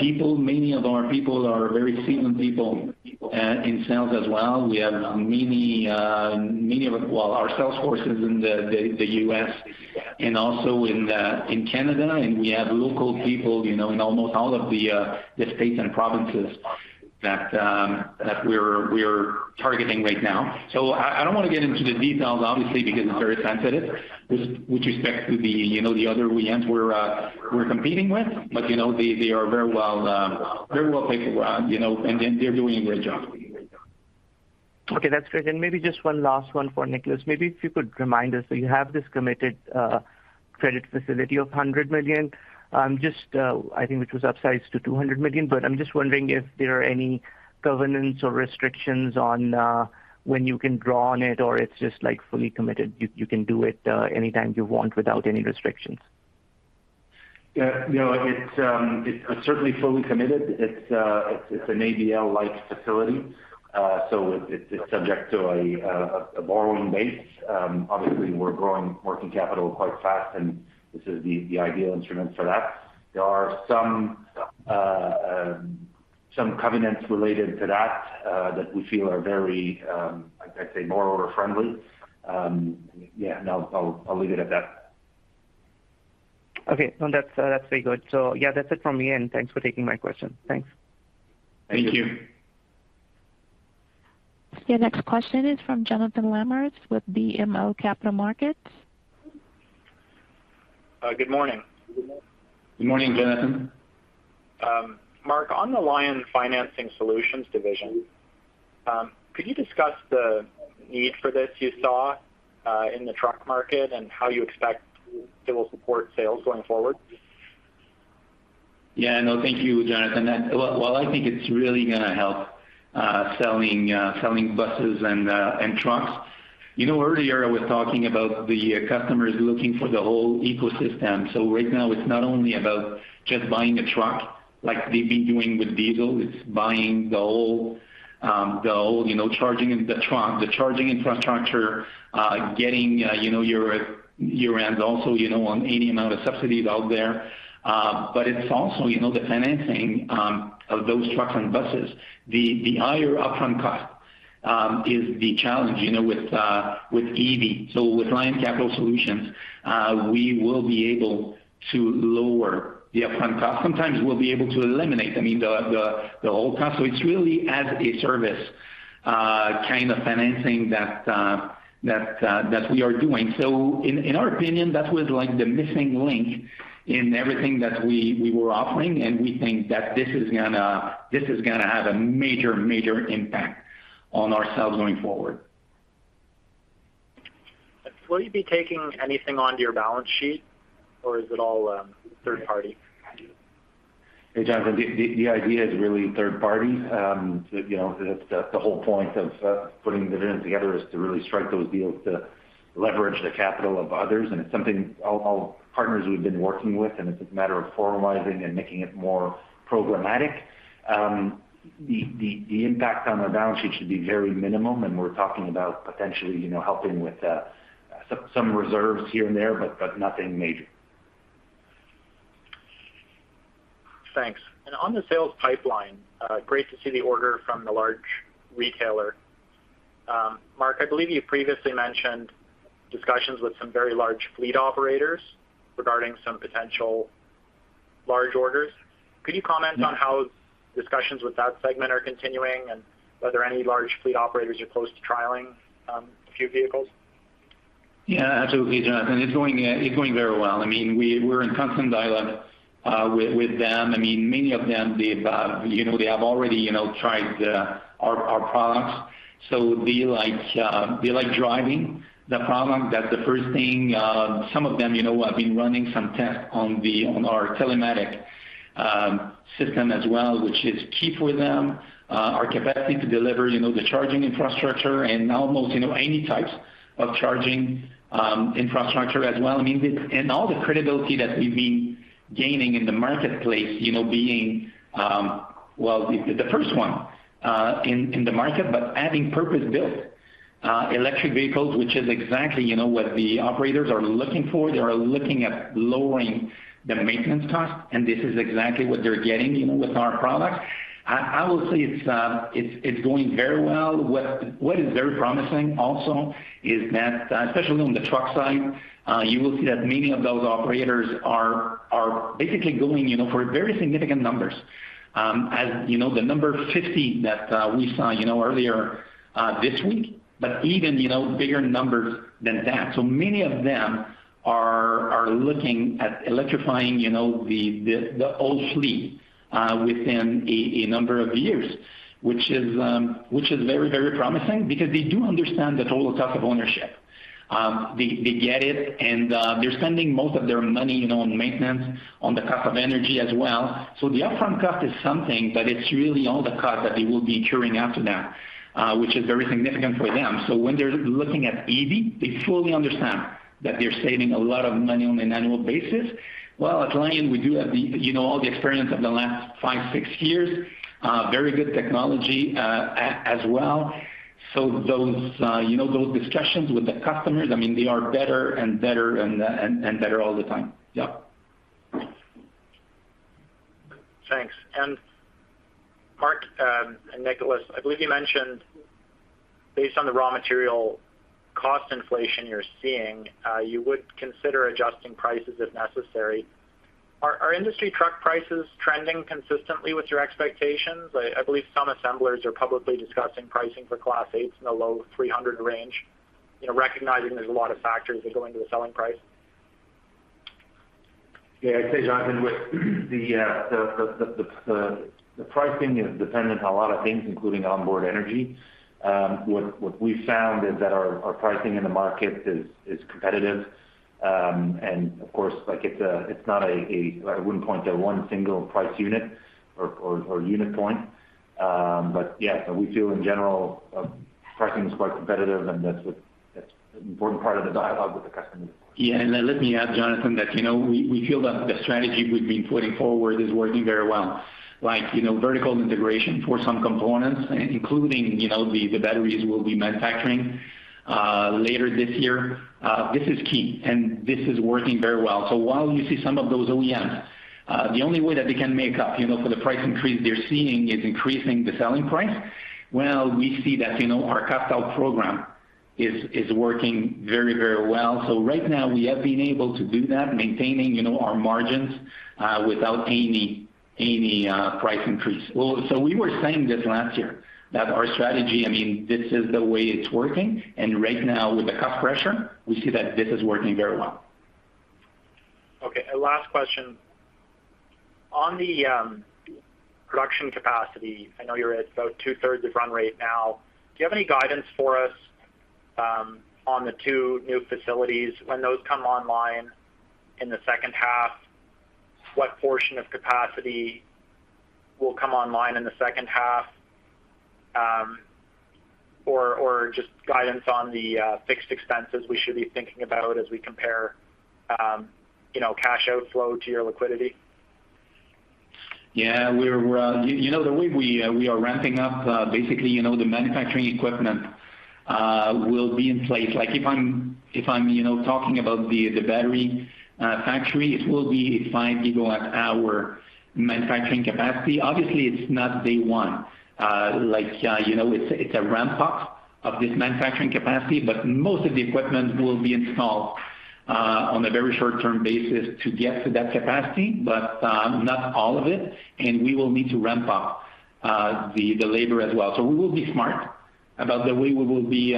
people. Many of our people are very seasoned people in sales as well. We have many of. Well, our sales force is in the U.S. and also in Canada, and we have local people, you know, in almost all of the states and provinces that we're targeting right now. I don't wanna get into the details obviously, because it's very sensitive with respect to the, you know, the other OEMs we're competing with. You know, they are very well paid, you know, and they're doing a great job. Okay. That's great. Maybe just one last one for Nicolas. Maybe if you could remind us, so you have this committed credit facility of 100 million, just, I think which was upsized to 200 million, but I'm just wondering if there are any covenants or restrictions on when you can draw on it or it's just like fully committed, you can do it anytime you want without any restrictions. Yeah. No, it's certainly fully committed. It's an ABL-like facility. It's subject to a borrowing base. Obviously we're growing working capital quite fast, and this is the ideal instrument for that. There are some covenants related to that that we feel are very, I'd say, borrower friendly. Yeah, no, I'll leave it at that. Okay. No, that's very good. Yeah, that's it from me and thanks for taking my question. Thanks. Thank you. Your next question is from Jonathan Lamers with BMO Capital Markets. Good morning. Good morning, Jonathan. Marc, on the LionCapital Solutions division, could you discuss the need for this you saw, in the truck market and how you expect it will support sales going forward? Yeah. No, thank you, Jonathan. Well, I think it's really gonna help selling buses and trucks. You know, earlier I was talking about the customers looking for the whole ecosystem. Right now it's not only about just buying a truck like they've been doing with diesel, it's buying the whole, you know, the truck, the charging infrastructure, getting, you know, your hands also, you know, on any amount of subsidies out there. It's also, you know, the financing of those trucks and buses. The higher upfront cost is the challenge, you know, with EV. With LionCapital Solutions, we will be able to lower the upfront cost. Sometimes we'll be able to eliminate, I mean, the whole cost. It's really as a service, kind of financing that we are doing. In our opinion, that was like the missing link in everything that we were offering, and we think that this is gonna have a major impact on ourselves going forward. Will you be taking anything onto your balance sheet or is it all, third party? Hey, Jonathan. The idea is really third party. You know, that's the whole point of putting the venture together is to really strike those deals to leverage the capital of others, and it's something all partners we've been working with, and it's a matter of formalizing and making it more programmatic. The impact on our balance sheet should be very minimum, and we're talking about potentially, you know, helping with some reserves here and there, but nothing major. Thanks. On the sales pipeline, great to see the order from the large retailer. Marc, I believe you previously mentioned discussions with some very large fleet operators regarding some potential large orders. Could you comment on how discussions with that segment are continuing and whether any large fleet operators are close to trialing a few vehicles? Yeah, absolutely, Jonathan. It's going very well. I mean, we're in constant dialogue with them. I mean, many of them, they've you know they have already you know tried our products. So they like driving the product. That's the first thing. Some of them you know have been running some tests on our telematic system as well, which is key for them. Our capacity to deliver you know the charging infrastructure and almost you know any types of charging infrastructure as well. I mean, all the credibility that we've been gaining in the marketplace you know being well the first one in the market but adding purpose-built electric vehicles, which is exactly you know what the operators are looking for. They are looking at lowering the maintenance cost, and this is exactly what they're getting, you know, with our products. I will say it's going very well. What is very promising also is that, especially on the truck side, you will see that many of those operators are basically going, you know, for very significant numbers. As you know, the number 50 that we saw, you know, earlier this week, but even, you know, bigger numbers than that. Many of them are looking at electrifying, you know, the whole fleet within a number of years, which is very promising because they do understand the total cost of ownership. They get it and they're spending most of their money, you know, on maintenance, on the cost of energy as well. The upfront cost is something, but it's really all the cost that they will be incurring after that, which is very significant for them. When they're looking at EV, they fully understand that they're saving a lot of money on an annual basis. Well, at Lion, we do have the, you know, all the experience of the last five, six years. Very good technology, as well. Those, you know, those discussions with the customers, I mean, they are better and better and better all the time. Yeah. Thanks. Marc and Nicolas, I believe you mentioned based on the raw material cost inflation you're seeing, you would consider adjusting prices if necessary. Are industry truck prices trending consistently with your expectations? I believe some assemblers are publicly discussing pricing for Class 8s in the low $300 range. You know, recognizing there's a lot of factors that go into a selling price. Yeah. I'd say, Jonathan, with the pricing is dependent on a lot of things, including onboard energy. What we found is that our pricing in the market is competitive. And of course, like it's not a. I wouldn't point to one single price unit or unit point. We feel in general, pricing is quite competitive, and that's an important part of the dialogue with the customer. Let me add, Jonathan, that, you know, we feel that the strategy we've been putting forward is working very well. Like, you know, vertical integration for some components, including, you know, the batteries we'll be manufacturing later this year. This is key, and this is working very well. While you see some of those OEMs, the only way that they can make up, you know, for the price increase they're seeing is increasing the selling price. Well, we see that, you know, our cost out program is working very, very well. Right now we have been able to do that, maintaining, you know, our margins without any price increase. Well, we were saying this last year, that our strategy I mean, this is the way it's working, and right now with the cost pressure, we see that this is working very well. Okay, last question. On the production capacity, I know you're at about 2/3 of run rate now. Do you have any guidance for us on the two new facilities when those come online in the second half? What portion of capacity will come online in the second half? Or just guidance on the fixed expenses we should be thinking about as we compare, you know, cash outflow to your liquidity. Yeah. You know, the way we are ramping up, basically, you know, the manufacturing equipment will be in place. Like, if I'm talking about the battery factory, it will be a 5 GWh manufacturing capacity. Obviously, it's not day one. You know, it's a ramp up of this manufacturing capacity, but most of the equipment will be installed on a very short-term basis to get to that capacity, but not all of it, and we will need to ramp up the labor as well. We will be smart about the way we will be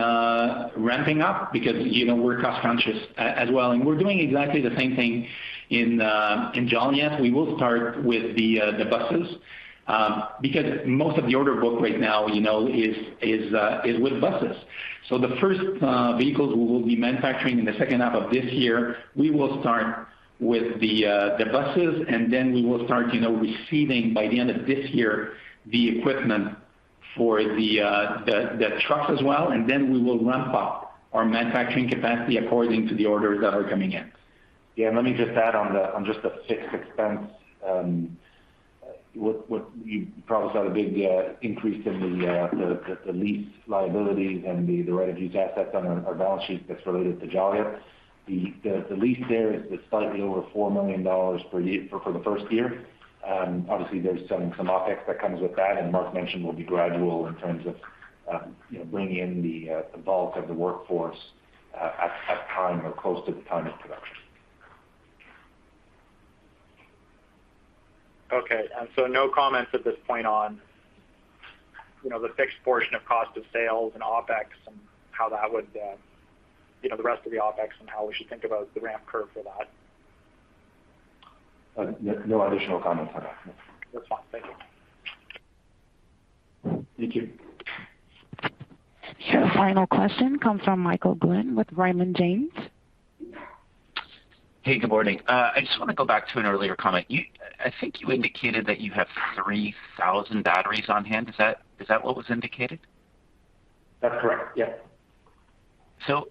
ramping up because, you know, we're cost conscious as well. We're doing exactly the same thing in Joliet. We will start with the buses, because most of the order book right now, you know, is with buses. The first vehicles we will be manufacturing in the second half of this year, we will start with the buses, and then we will start, you know, receiving by the end of this year, the equipment for the truck as well. Then we will ramp up our manufacturing capacity according to the orders that are coming in. Let me just add on just the fixed expense. What you probably saw a big increase in the lease liabilities and the right of use assets on our balance sheet that's related to Joliet. The lease there is slightly over $4 million per year for the first year. Obviously there's some OpEx that comes with that, and Marc mentioned will be gradual in terms of you know bringing in the bulk of the workforce at time or close to the time of production. Okay. No comments at this point on, you know, the fixed portion of cost of sales and OpEx and how that would, you know, the rest of the OpEx and how we should think about the ramp curve for that. No additional comments on that, no. That's fine. Thank you. Thank you. Your final question comes from Michael Glen with Raymond James. Hey, good morning. I just wanna go back to an earlier comment. You—I think you indicated that you have 3,000 batteries on hand. Is that what was indicated? That's correct. Yeah.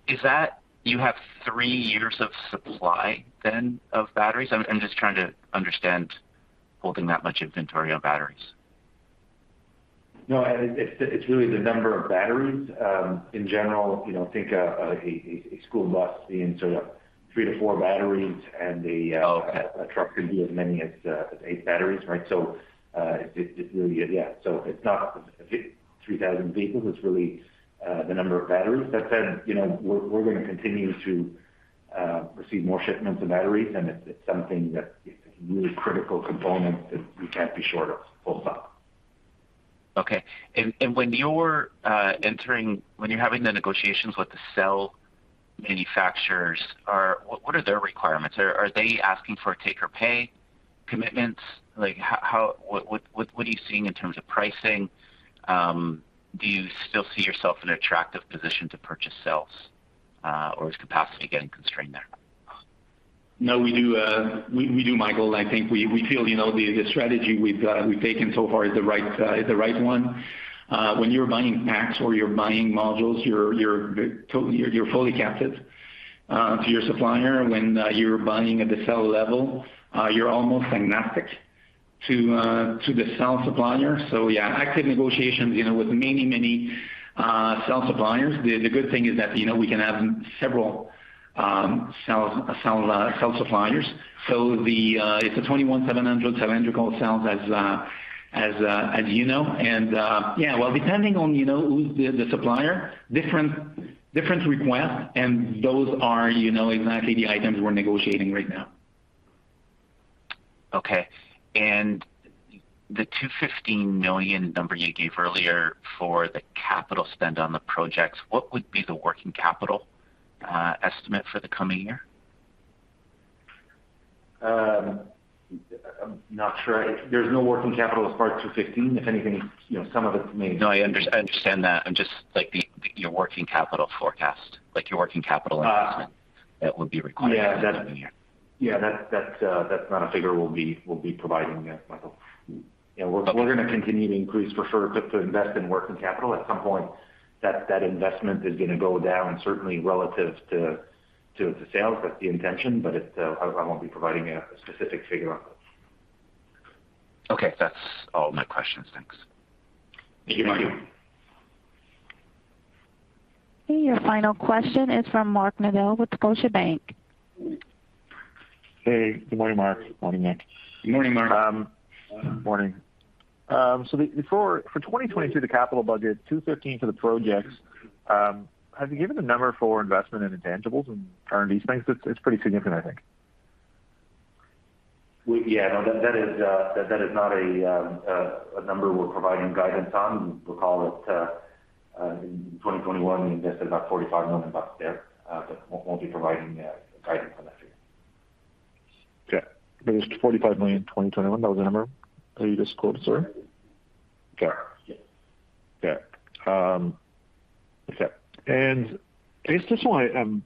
Is that you have three years of supply then of batteries? I'm just trying to understand holding that much inventory on batteries. No. It's really the number of batteries. In general, you know, think of a school bus being sort of three to four batteries and the- Okay. A truck could be as many as eight batteries, right? It's not 3,000 vehicles, it's really the number of batteries. That said, you know, we're gonna continue to receive more shipments of batteries, and it's something that's a really critical component that we can't be short of full stop. When you're having the negotiations with the cell manufacturers, what are their requirements? Are they asking for take or pay commitments? Like, how, what are you seeing in terms of pricing? Do you still see yourself in an attractive position to purchase cells, or is capacity getting constrained there? No, we do, Michael. I think we feel, you know, the strategy we've taken so far is the right one. When you're buying packs or you're buying modules, you're fully captive to your supplier. When you're buying at the cell level, you're almost agnostic to the cell supplier. So yeah, active negotiations, you know, with many cell suppliers. The good thing is that, you know, we can have several cell suppliers. So it's 21700 cylindrical cells as you know. Yeah, well, depending on, you know, who's the supplier, different requests, and those are, you know, exactly the items we're negotiating right now. Okay. The 215 million number you gave earlier for the capital spend on the projects, what would be the working capital estimate for the coming year? I'm not sure. There's no working capital as part 215 million. If anything, you know, some of it may- No, I understand that. I'm just like the your working capital forecast, like your working capital investment that would be required- Yeah. In the coming year. Yeah. That's not a figure we'll be providing you, Michael. You know, we're- Okay. We're gonna continue to invest in working capital. At some point, that investment is gonna go down, certainly relative to sales. That's the intention, but I won't be providing a specific figure on it. Okay. That's all my questions. Thanks. Thank you, Michael. Your final question is from Mark Neville with Scotiabank. Hey, good morning, Marc. Morning, Mark. Good morning, Mark. Morning. For 2022, the capital budget, 215 million for the projects, have you given a number for investment in intangibles and R&D spend? It's pretty significant, I think. Yeah. No, that is not a number we're providing guidance on. Recall that in 2021, we invested about $45 million bucks there, but won't be providing guidance on that figure. Okay. It was 45 million in 2021. That was the number that you just quoted, sir? Yeah. Okay. Yeah. Okay. Just so I am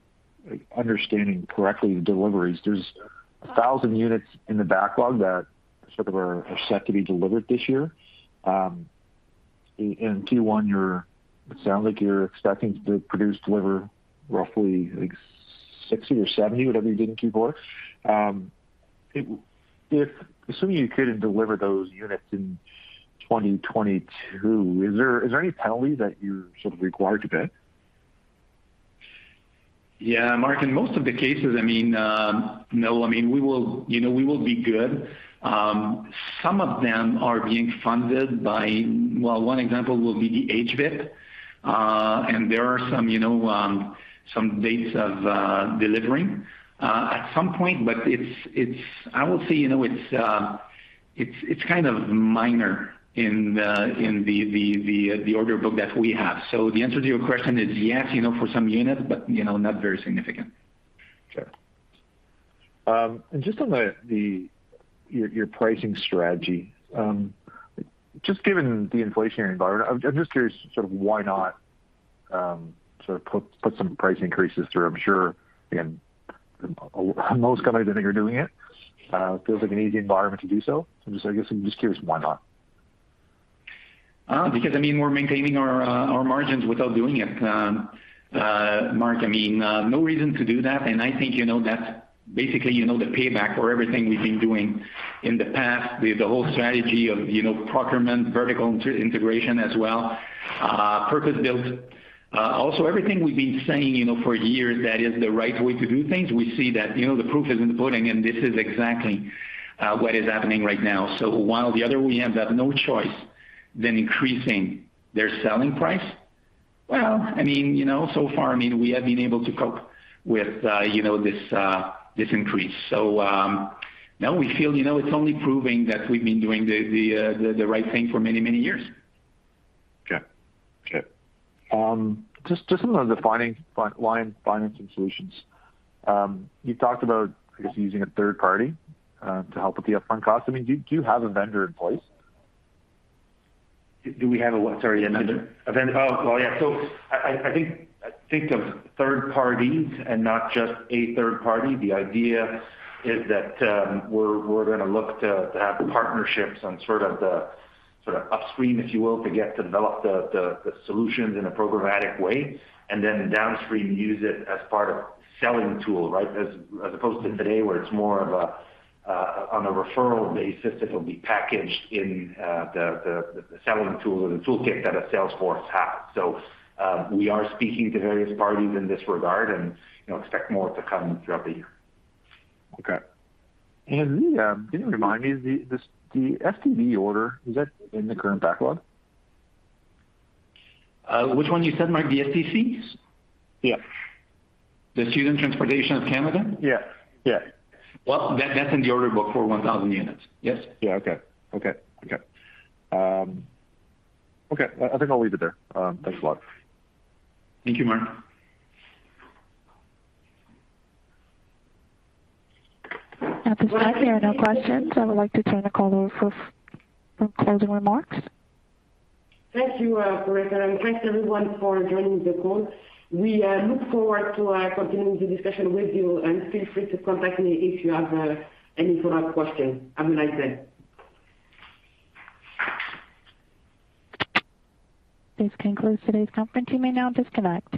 understanding correctly the deliveries, there's 1,000 units in the backlog that sort of are set to be delivered this year. In Q1, it sounds like you're expecting to produce, deliver roughly, I think, 60 or 70, whatever you did in Q4. If assuming you couldn't deliver those units in 2022, is there any penalty that you're sort of required to pay? Yeah, Mark, in most of the cases, I mean, no. I mean, we will, you know, we will be good. Some of them are being funded by. Well, one example will be the HVIP. There are some, you know, some dates of delivering at some point, but it's, I will say, you know, it's kind of minor in the order book that we have. So the answer to your question is yes, you know, for some units, but, you know, not very significant. Okay. Just on your pricing strategy, just given the inflationary environment, I'm just curious sort of why not sort of put some price increases through? I'm sure, again, most companies I think are doing it. It feels like an easy environment to do so. Just, I guess I'm just curious why not? Because I mean, we're maintaining our margins without doing it, Mark. I mean, no reason to do that. I think, you know, that's basically, you know, the payback for everything we've been doing in the past with the whole strategy of, you know, procurement, vertical integration as well, purpose-built. Also everything we've been saying, you know, for years, that is the right way to do things. We see that, you know, the proof is in the pudding, and this is exactly what is happening right now. While the other OEMs have no choice but to increase their selling price, well, I mean, you know, so far, I mean, we have been able to cope with, you know, this increase. No, we feel, you know, it's only proving that we've been doing the right thing for many, many years. Okay. Just on the financing solutions, you talked about I guess using a third party to help with the upfront costs. I mean, do you have a vendor in place? Do we have a what? Sorry. A vendor. A vendor. Oh. Oh, yeah. I think of third parties and not just a third party. The idea is that, we're gonna look to have partnerships on sort of the upstream, if you will, develop the solutions in a programmatic way, and then downstream use it as part of selling tool, right? As opposed to today, where it's more of a on a referral basis, it'll be packaged in, the selling tool or the toolkit that a sales force has. We are speaking to various parties in this regard and, you know, expect more to come throughout the year. Okay. Can you remind me, the STC order, is that in the current backlog? Which one you said, Mark? The STC? Yeah. The Student Transportation of Canada? Yeah. Yeah. Well, that's in the order book for 1,000 units. Yes. Yeah. Okay. I think I'll leave it there. Thanks a lot. Thank you, Mark. At this time, there are no questions. I would like to turn the call over for closing remarks. Thank you, operator, and thanks everyone for joining the call. We look forward to continuing the discussion with you, and feel free to contact me if you have any further questions. Have a nice day. This concludes today's conference. You may now disconnect.